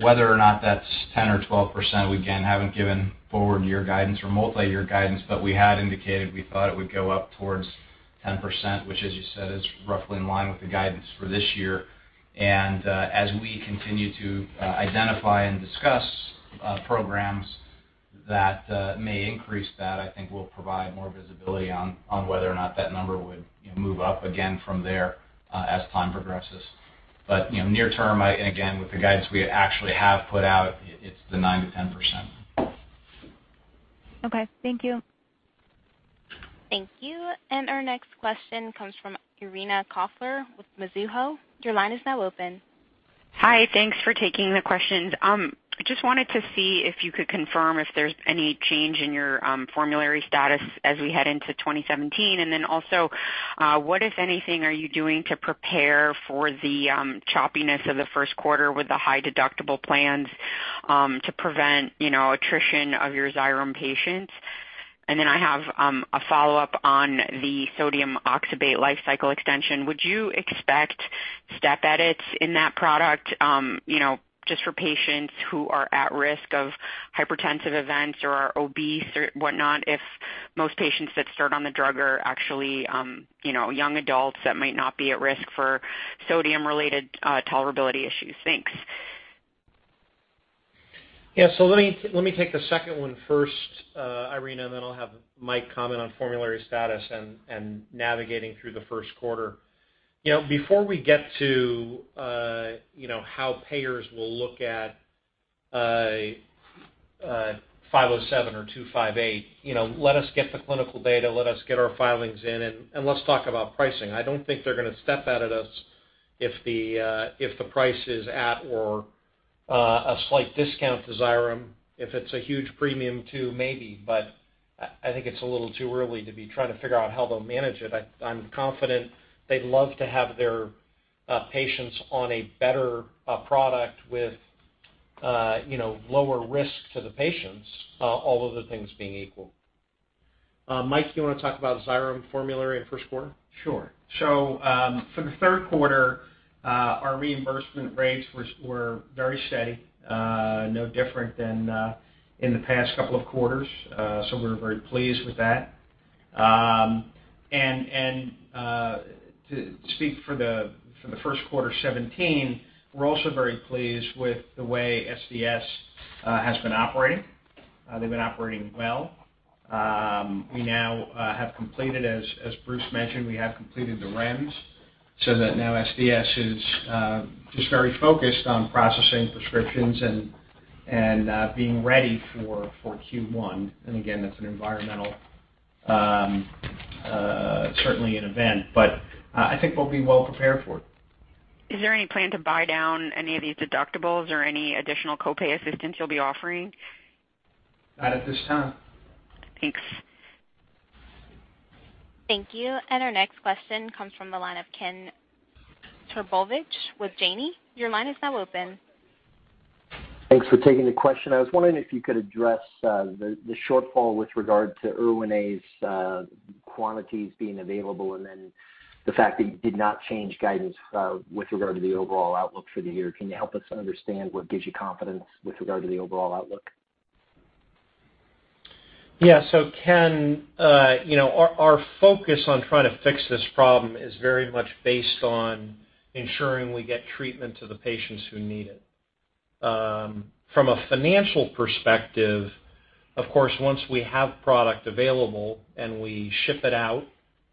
Whether or not that's 10% or 12%, we again haven't given forward-year guidance or multi-year guidance, but we had indicated we thought it would go up towards 10%, which as you said, is roughly in line with the guidance for this year. As we continue to identify and discuss programs that may increase that I think will provide more visibility on whether or not that number would, you know, move up again from there, as time progresses. You know, near term, and again, with the guidance we actually have put out, it's 9%-10%. Okay. Thank you. Thank you. Our next question comes from Irina Koffler with Mizuho. Your line is now open. Hi. Thanks for taking the questions. I just wanted to see if you could confirm if there's any change in your formulary status as we head into 2017. Then also, what, if anything, are you doing to prepare for the choppiness of the first quarter with the high deductible plans to prevent, you know, attrition of your Xyrem patients? Then I have a follow-up on the sodium oxybate life cycle extension. Would you expect step edits in that product, you know, just for patients who are at risk of hypertensive events or are obese or whatnot, if most patients that start on the drug are actually you know, young adults that might not be at risk for sodium-related tolerability issues? Thanks. Yeah. Let me take the second one first, Irina, and then I'll have Mike comment on formulary status and navigating through the first quarter. You know, before we get to, you know, how payers will look at 507 or 258, you know, let us get the clinical data, let us get our filings in, and let's talk about pricing. I don't think they're gonna step at us if the price is at or a slight discount to Xyrem. If it's a huge premium too, maybe, but I think it's a little too early to be trying to figure out how they'll manage it. I'm confident they'd love to have their patients on a better product with, you know, lower risk to the patients, all of the things being equal. Mike, do you wanna talk about Xyrem formulary in first quarter? Sure. For the third quarter, our reimbursement rates were very steady, no different than in the past couple of quarters. We're very pleased with that. To speak to the first quarter 2017, we're also very pleased with the way SDS has been operating. They've been operating well. We now have completed, as Bruce mentioned, the REMS so that now SDS is just very focused on processing prescriptions and being ready for Q1. Again, that's an environmental certainty, an event, but I think we'll be well prepared for it. Is there any plan to buy down any of these deductibles or any additional co-pay assistance you'll be offering? Not at this time. Thanks. Thank you. Our next question comes from the line of Ken Trbovich with Janney. Your line is now open. Thanks for taking the question. I was wondering if you could address the shortfall with regard to Erwinaze quantities being available and then the fact that you did not change guidance with regard to the overall outlook for the year. Can you help us understand what gives you confidence with regard to the overall outlook? Yeah. Ken, you know, our focus on trying to fix this problem is very much based on ensuring we get treatment to the patients who need it. From a financial perspective, of course, once we have product available and we ship it out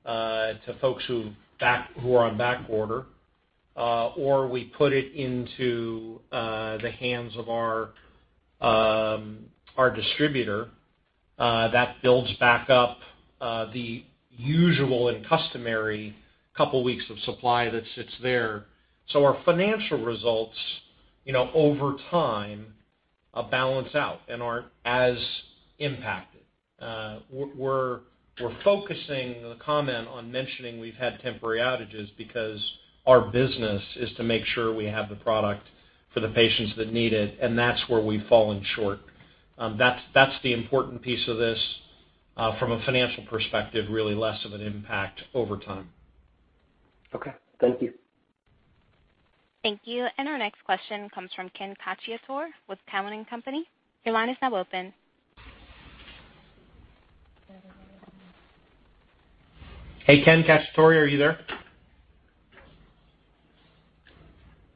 to folks who are on back order, or we put it into the hands of our distributor, that builds back up the usual and customary couple weeks of supply that sits there. Our financial results, you know, over time, balance out and aren't as impacted. We're focusing the comment on mentioning we've had temporary outages because our business is to make sure we have the product for the patients that need it, and that's where we've fallen short. That's the important piece of this, from a financial perspective, really less of an impact over time. Okay. Thank you. Thank you. Our next question comes from Ken Cacciatore with Cowen and Company. Your line is now open. Hey, Ken Cacciatore, are you there?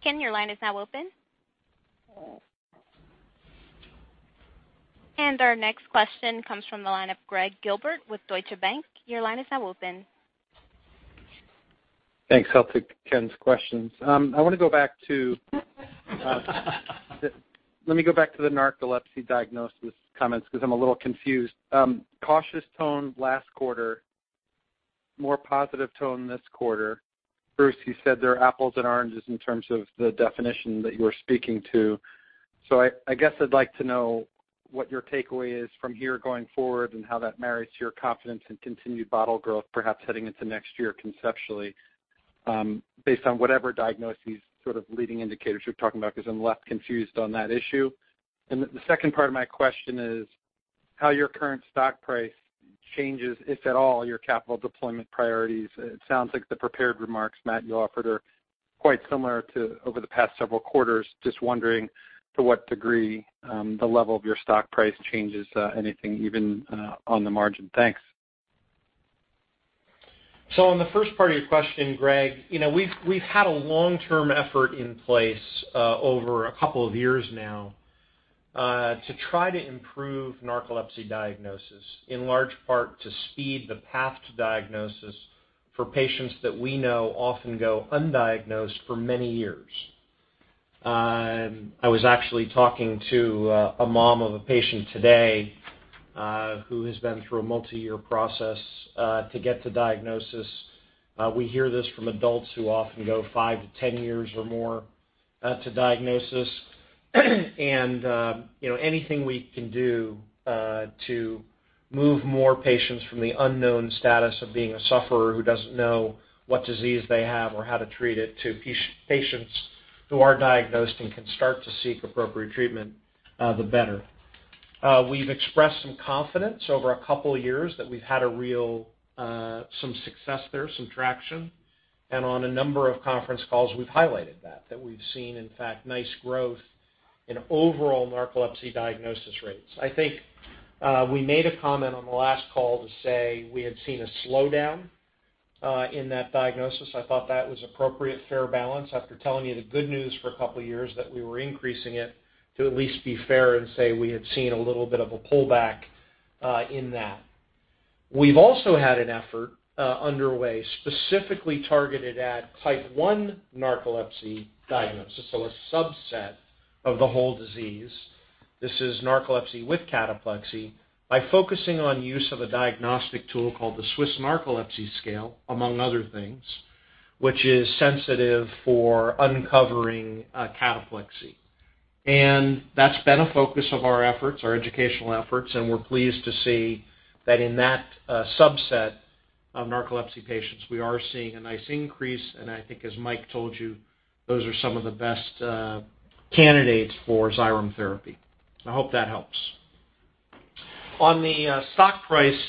Ken, your line is now open. Our next question comes from the line of Gregg Gilbert with Deutsche Bank. Your line is now open. Thanks. I'll take Ken's questions. I wanna go back to the narcolepsy diagnosis comments because I'm a little confused. Cautious tone last quarter, more positive tone this quarter. Bruce, you said there are apples and oranges in terms of the definition that you were speaking to. I guess I'd like to know what your takeaway is from here going forward and how that marries to your confidence in continued bottle growth, perhaps heading into next year conceptually, based on whatever diagnoses sort of leading indicators you're talking about, because I'm left confused on that issue. The second part of my question is how your current stock price changes, if at all, your capital deployment priorities. It sounds like the prepared remarks, Matt, you offered are quite similar to over the past several quarters. Just wondering to what degree the level of your stock price changes anything even on the margin? Thanks. In the first part of your question, Greg, you know, we've had a long-term effort in place over a couple of years now to try to improve narcolepsy diagnosis, in large part to speed the path to diagnosis for patients that we know often go undiagnosed for many years. I was actually talking to a mom of a patient today who has been through a multi-year process to get to diagnosis. We hear this from adults who often go 5-10 years or more to diagnosis. You know, anything we can do to move more patients from the unknown status of being a sufferer who doesn't know what disease they have or how to treat it to patients who are diagnosed and can start to seek appropriate treatment, the better. We've expressed some confidence over a couple years that we've had a real, some success there, some traction. On a number of conference calls, we've highlighted that we've seen, in fact, nice growth in overall narcolepsy diagnosis rates. I think, we made a comment on the last call to say we had seen a slowdown, in that diagnosis. I thought that was appropriate, fair balance after telling you the good news for a couple years that we were increasing it to at least be fair and say we had seen a little bit of a pullback, in that. We've also had an effort, underway specifically targeted at type one narcolepsy diagnosis, so a subset of the whole disease. This is narcolepsy with cataplexy by focusing on use of a diagnostic tool called the Swiss Narcolepsy Scale, among other things, which is sensitive for uncovering cataplexy. That's been a focus of our efforts, our educational efforts, and we're pleased to see that in that subset of narcolepsy patients, we are seeing a nice increase. I think as Mike told you, those are some of the best candidates for Xyrem therapy. I hope that helps. On the stock price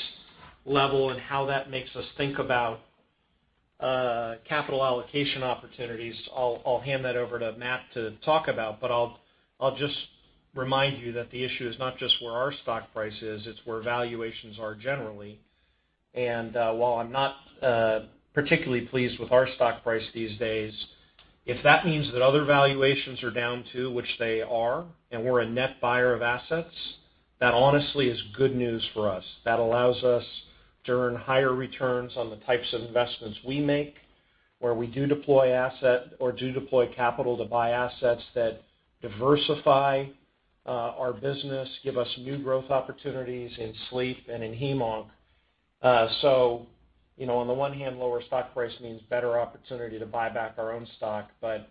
level and how that makes us think about capital allocation opportunities, I'll hand that over to Matt to talk about, but I'll just remind you that the issue is not just where our stock price is, it's where valuations are generally. While I'm not particularly pleased with our stock price these days, if that means that other valuations are down too, which they are, and we're a net buyer of assets, that honestly is good news for us. That allows us to earn higher returns on the types of investments we make, where we do deploy capital to buy assets that diversify our business, give us new growth opportunities in sleep and in heme/onc. You know, on the one hand, lower stock price means better opportunity to buy back our own stock, but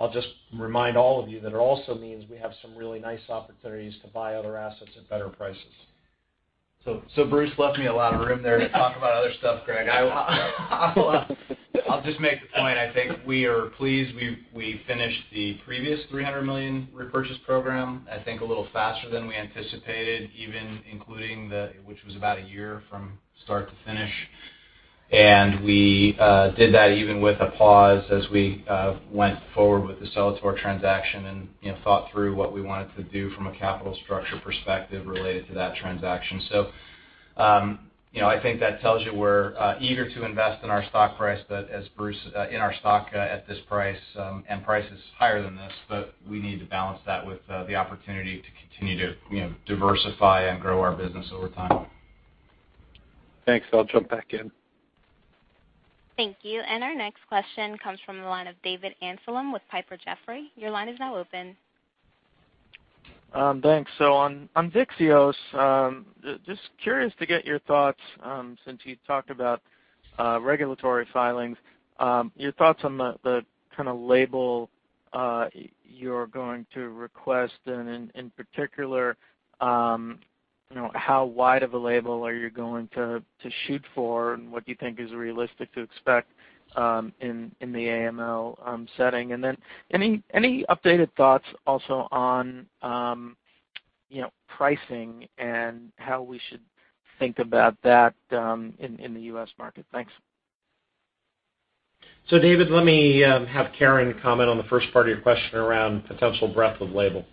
I'll just remind all of you that it also means we have some really nice opportunities to buy other assets at better prices. Bruce left me a lot of room there to talk about other stuff, Greg. I'll just make the point. I think we are pleased we've finished the previous $300 million repurchase program a little faster than we anticipated, even including which was about a year from start to finish. We did that even with a pause as we went forward with the Celator transaction and, you know, thought through what we wanted to do from a capital structure perspective related to that transaction. You know, I think that tells you we're eager to invest in our stock price, but as Bruce Cozadd in our stock at this price and prices higher than this, but we need to balance that with the opportunity to continue to, you know, diversify and grow our business over time. Thanks. I'll jump back in. Thank you. Our next question comes from the line of David Amsellem with Piper Jaffray. Your line is now open. Thanks. On Vyxeos, just curious to get your thoughts, since you talked about regulatory filings, your thoughts on the kind of label you're going to request, and in particular, you know, how wide of a label are you going to shoot for and what do you think is realistic to expect in the AML setting? And then any updated thoughts also on, you know, pricing and how we should think about that in the U.S. market? Thanks. David, let me have Karen comment on the first part of your question around potential breadth of label.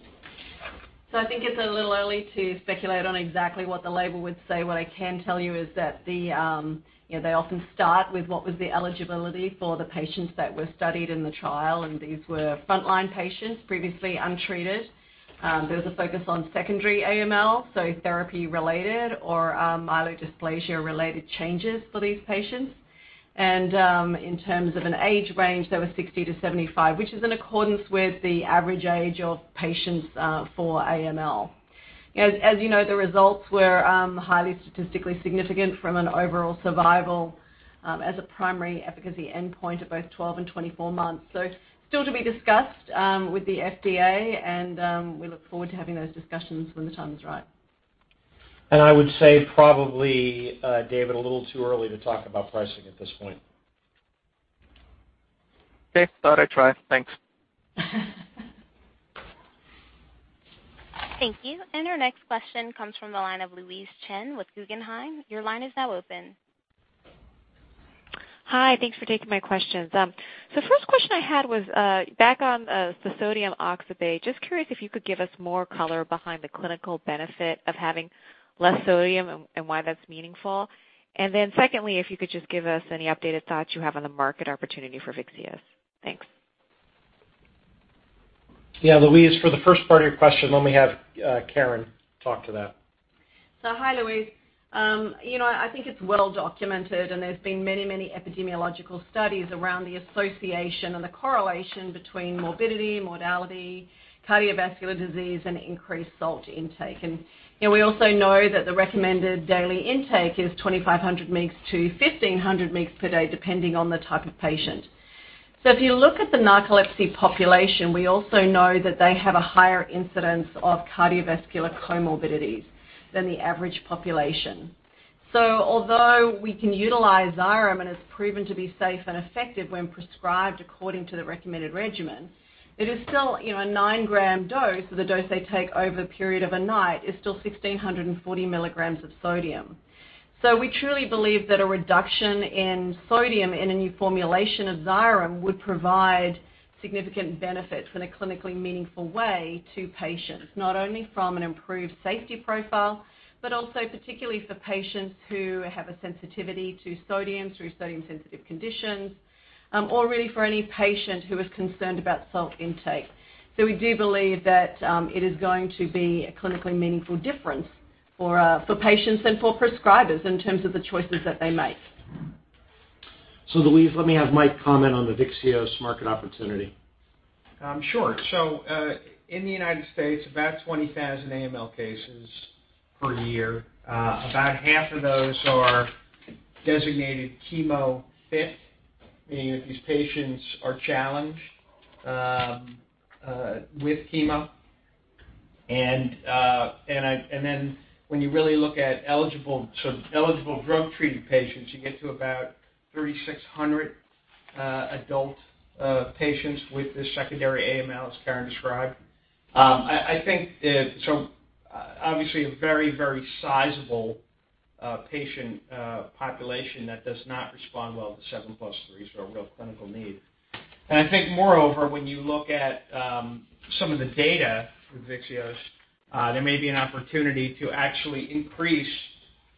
I think it's a little early to speculate on exactly what the label would say. What I can tell you is that the, you know, they often start with what was the eligibility for the patients that were studied in the trial, and these were frontline patients, previously untreated. There was a focus on secondary AML, so therapy-related or myelodysplasia-related changes for these patients. In terms of an age range, they were 60-75, which is in accordance with the average age of patients for AML. As you know, the results were highly statistically significant from an overall survival as a primary efficacy endpoint at both 12 and 24 months. Still to be discussed with the FDA, and we look forward to having those discussions when the time is right. I would say probably, David, a little too early to talk about pricing at this point. Okay. Thought I'd try. Thanks. Thank you. Our next question comes from the line of Louise Chen with Guggenheim. Your line is now open. Hi. Thanks for taking my questions. First question I had was, back on the sodium oxybate, just curious if you could give us more color behind the clinical benefit of having less sodium and why that's meaningful. Secondly, if you could just give us any updated thoughts you have on the market opportunity for Vyxeos. Thanks. Yeah, Louise, for the first part of your question, let me have Karen talk to that. Hi, Louise. You know, I think it's well documented, and there's been many, many epidemiological studies around the association and the correlation between morbidity, mortality, cardiovascular disease and increased salt intake. You know, we also know that the recommended daily intake is 2,500 mgs-1,500 mgs per day, depending on the type of patient. If you look at the narcolepsy population, we also know that they have a higher incidence of cardiovascular comorbidities than the average population. Although we can utilize Xyrem, and it's proven to be safe and effective when prescribed according to the recommended regimen, it is still, you know, a 9-gram dose. The dose they take over the period of a night is still 1,640 mg of sodium. We truly believe that a reduction in sodium in a new formulation of Xyrem would provide significant benefits in a clinically meaningful way to patients, not only from an improved safety profile, but also particularly for patients who have a sensitivity to sodium through sodium-sensitive conditions, or really for any patient who is concerned about salt intake. We do believe that it is going to be a clinically meaningful difference for patients and for prescribers in terms of the choices that they make. Louise, let me have Mike comment on the Vyxeos market opportunity. Sure. In the United States, about 20,000 AML cases per year, about half of those are designated chemo-fit, meaning that these patients are challenged with chemo. Then when you really look at eligible, sort of eligible drug treated patients, you get to about 3,600 adult patients with this secondary AML as Karen described. I think the obviously a very, very sizable patient population that does not respond well to 7+3, so a real clinical need. I think moreover, when you look at some of the data with Vyxeos, there may be an opportunity to actually increase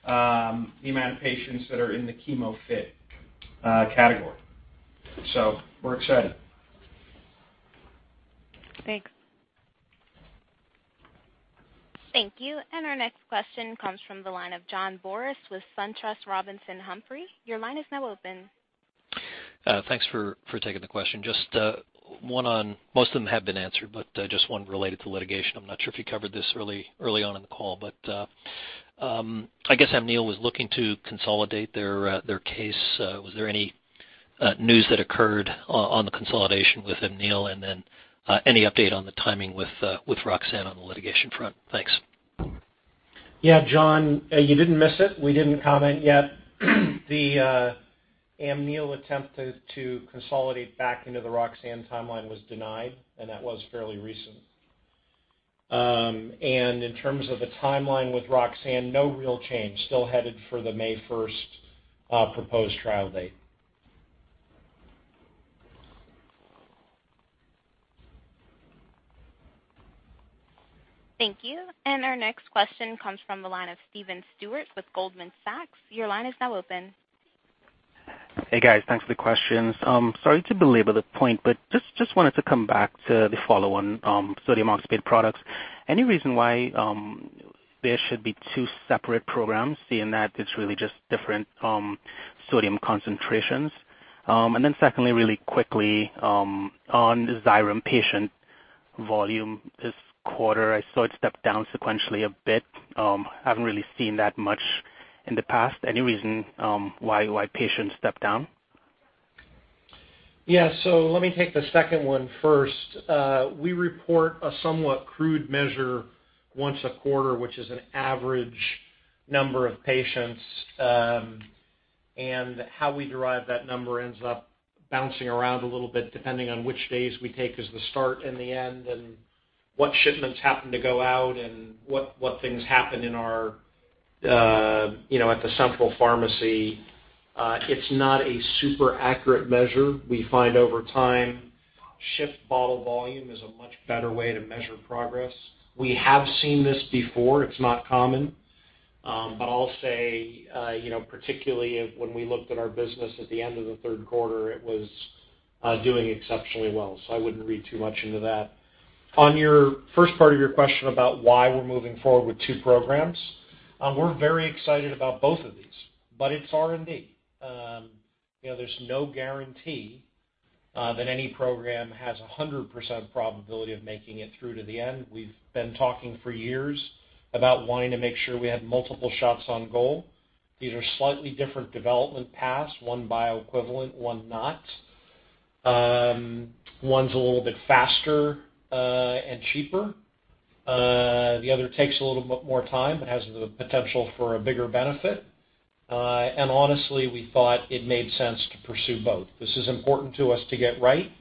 the amount of patients that are in the chemo-fit category. We're excited. Thanks. Thank you. Our next question comes from the line of John Boris with SunTrust Robinson Humphrey. Your line is now open. Thanks for taking the question. Just one. Most of them have been answered, but just one related to litigation. I'm not sure if you covered this early on in the call, but I guess Amneal was looking to consolidate their case. Was there any news that occurred on the consolidation with Amneal? Then any update on the timing with Roxane on the litigation front? Thanks. Yeah, John, you didn't miss it. We didn't comment yet. The Amneal attempt to consolidate back into the Roxane timeline was denied, and that was fairly recent. In terms of the timeline with Roxane, no real change, still headed for the May first proposed trial date. Thank you. Our next question comes from the line of Stephen Stewart with Goldman Sachs. Your line is now open. Hey, guys. Thanks for the questions. Sorry to belabor the point, but just wanted to come back to the follow-on sodium oxybate products. Any reason why there should be two separate programs, seeing that it's really just different sodium concentrations? Then secondly, really quickly, on the Xyrem patient volume this quarter, I saw it step down sequentially a bit. I haven't really seen that much in the past. Any reason why patients stepped down? Let me take the second one first. We report a somewhat crude measure once a quarter, which is an average number of patients. How we derive that number ends up bouncing around a little bit, depending on which days we take as the start and the end, and what shipments happen to go out and what things happen in our, you know, at the central pharmacy. It's not a super accurate measure. We find over time, shipped bottle volume is a much better way to measure progress. We have seen this before. It's not common. I'll say, you know, particularly when we looked at our business at the end of the third quarter, it was doing exceptionally well. I wouldn't read too much into that. On your first part of your question about why we're moving forward with two programs, we're very excited about both of these, but it's R&D. You know, there's no guarantee that any program has 100% probability of making it through to the end. We've been talking for years about wanting to make sure we have multiple shots on goal. These are slightly different development paths, one bioequivalent, one not. One's a little bit faster and cheaper. The other takes a little bit more time, but has the potential for a bigger benefit. Honestly, we thought it made sense to pursue both. This is important to us to get right,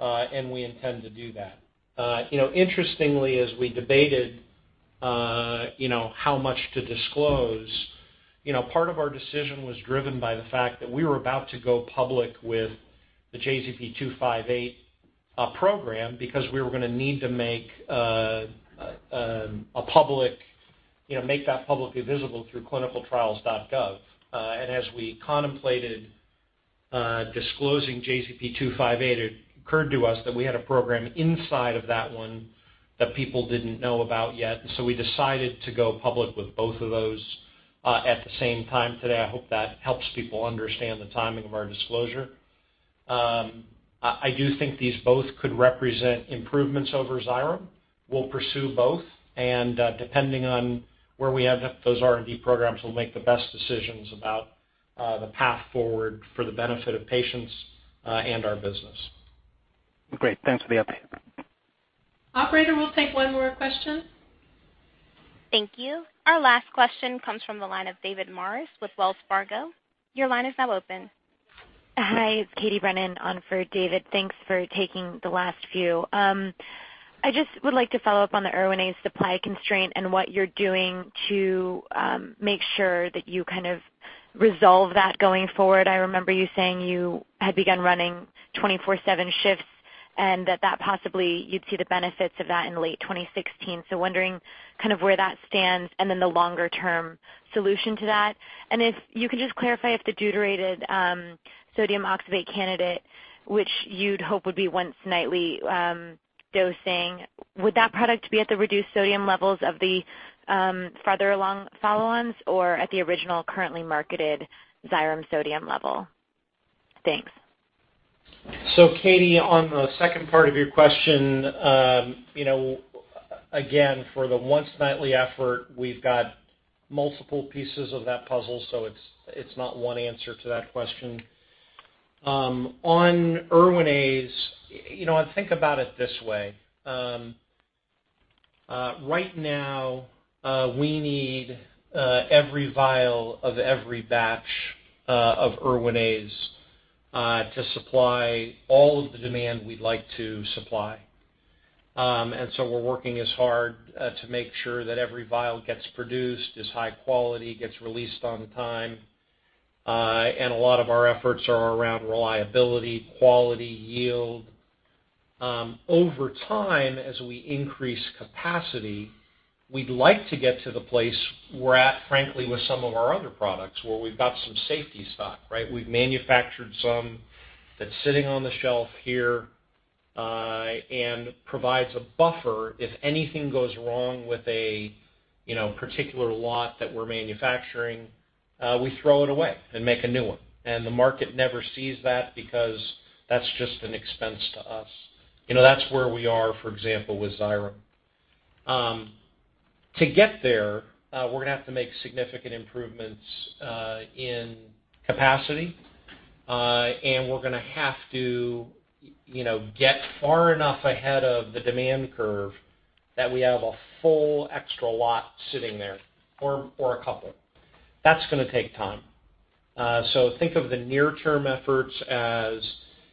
and we intend to do that. You know, interestingly, as we debated, you know, how much to disclose, you know, part of our decision was driven by the fact that we were about to go public with the JZP-258 program because we were gonna need to make that publicly visible through ClinicalTrials.gov. As we contemplated disclosing JZP-258, it occurred to us that we had a program inside of that one that people didn't know about yet. We decided to go public with both of those at the same time today. I hope that helps people understand the timing of our disclosure. I do think these both could represent improvements over Xyrem. We'll pursue both, and depending on where we end up those R&D programs, we'll make the best decisions about the path forward for the benefit of patients, and our business. Great. Thanks for the update. Operator, we'll take one more question. Thank you. Our last question comes from the line of David Maris with Wells Fargo. Your line is now open. Hi, it's Katie Brennan on for David. Thanks for taking the last few. I just would like to follow up on the Erwinaze supply constraint and what you're doing to make sure that you kind of resolve that going forward. I remember you saying you had begun running 24/7 shifts, and that possibly you'd see the benefits of that in late 2016. Wondering kind of where that stands and then the longer term solution to that. If you can just clarify if the deuterated sodium oxybate candidate, which you'd hope would be once nightly dosing, would that product be at the reduced sodium levels of the farther along follow-ons or at the original currently marketed Xyrem sodium level? Thanks. Katie, on the second part of your question, you know, again, for the once nightly effort, we've got multiple pieces of that puzzle, so it's not one answer to that question. On Erwinaze, you know, think about it this way, right now, we need every vial of every batch of Erwinaze to supply all of the demand we'd like to supply. We're working as hard to make sure that every vial gets produced, is high quality, gets released on time. A lot of our efforts are around reliability, quality, yield. Over time, as we increase capacity, we'd like to get to the place we're at, frankly, with some of our other products where we've got some safety stock, right? We've manufactured some that's sitting on the shelf here and provides a buffer if anything goes wrong with a particular lot that we're manufacturing. We throw it away and make a new one. The market never sees that because that's just an expense to us. That's where we are, for example, with Xyrem. To get there, we're gonna have to make significant improvements in capacity, and we're gonna have to get far enough ahead of the demand curve that we have a full extra lot sitting there or a couple. That's gonna take time. So think of the near-term efforts as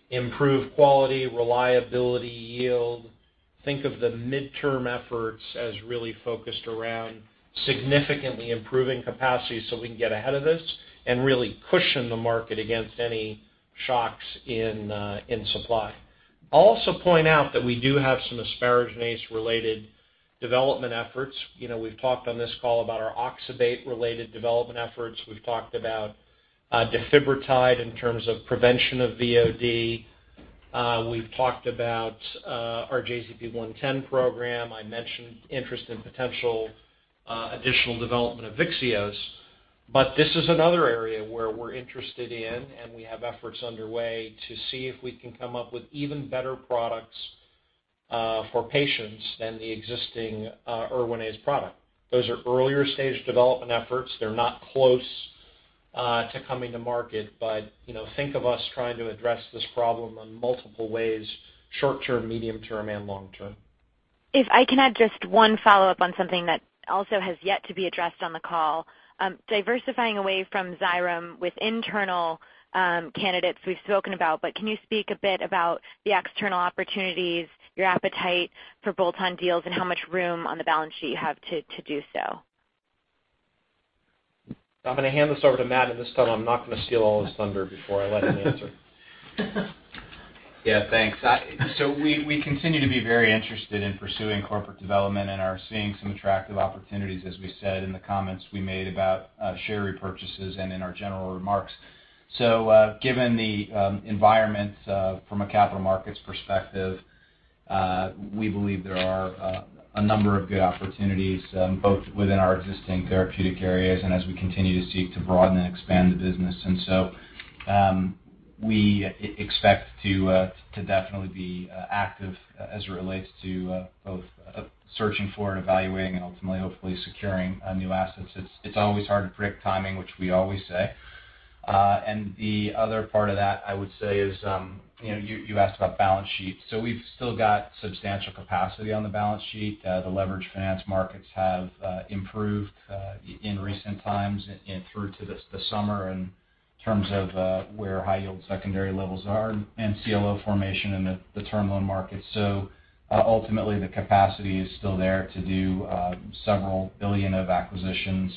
improved quality, reliability, yield. Think of the midterm efforts as really focused around significantly improving capacity so we can get ahead of this and really cushion the market against any shocks in supply. I'll also point out that we do have some asparaginase-related development efforts. You know, we've talked on this call about our oxybate-related development efforts. We've talked about Defibrotide in terms of prevention of VOD. We've talked about our JZP-110 program. I mentioned interest in potential additional development of Vyxeos. But this is another area where we're interested in, and we have efforts underway to see if we can come up with even better products for patients than the existing Erwinaze product. Those are earlier stage development efforts. They're not close to coming to market. you know, think of us trying to address this problem in multiple ways, short term, medium term, and long term. If I can add just one follow-up on something that also has yet to be addressed on the call. Diversifying away from Xyrem with internal candidates we've spoken about, but can you speak a bit about the external opportunities, your appetite for bolt-on deals, and how much room on the balance sheet you have to do so? I'm gonna hand this over to Matt, and this time I'm not gonna steal all his thunder before I let him answer. Yeah, thanks. We continue to be very interested in pursuing corporate development and are seeing some attractive opportunities, as we said in the comments we made about share repurchases and in our general remarks. Given the environment from a capital markets perspective, we believe there are a number of good opportunities both within our existing therapeutic areas and as we continue to seek to broaden and expand the business. We expect to definitely be active as it relates to both searching for and evaluating and ultimately, hopefully securing new assets. It's always hard to predict timing, which we always say. The other part of that, I would say is, you know, you asked about balance sheet. We've still got substantial capacity on the balance sheet. The leveraged finance markets have improved in recent times and through to the summer in terms of where high-yield secondary levels are and CLO formation in the term loan market. Ultimately, the capacity is still there to do $several billion of acquisitions.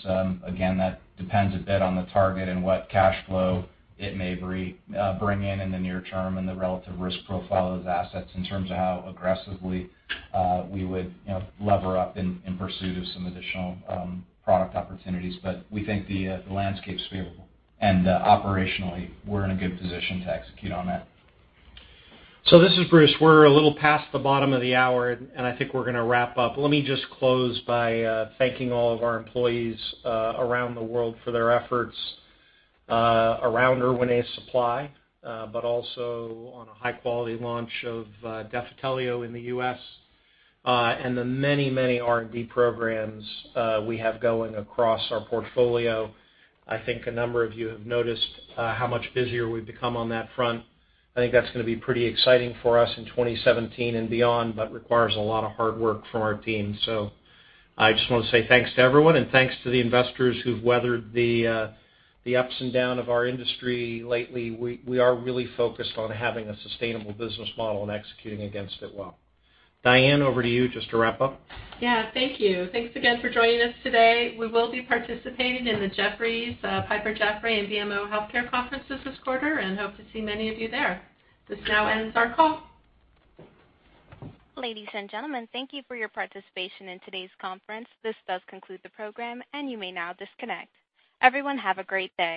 Again, that depends a bit on the target and what cash flow it may bring in in the near term and the relative risk profile of assets in terms of how aggressively we would, you know, lever up in pursuit of some additional product opportunities. We think the landscape's favorable. Operationally, we're in a good position to execute on that. This is Bruce. We're a little past the bottom of the hour, and I think we're gonna wrap up. Let me just close by thanking all of our employees around the world for their efforts around Erwinaze supply, but also on a high quality launch of Defitelio in the U.S., and the many, many R&D programs we have going across our portfolio. I think a number of you have noticed how much busier we've become on that front. I think that's gonna be pretty exciting for us in 2017 and beyond, but requires a lot of hard work from our team. I just wanna say thanks to everyone, and thanks to the investors who've weathered the ups and downs of our industry lately. We are really focused on having a sustainable business model and executing against it well. Diane, over to you just to wrap up. Yeah, thank you. Thanks again for joining us today. We will be participating in the Jefferies, Piper Jaffray and BMO Healthcare conferences this quarter, and hope to see many of you there. This now ends our call. Ladies and gentlemen, thank you for your participation in today's conference. This does conclude the program, and you may now disconnect. Everyone, have a great day.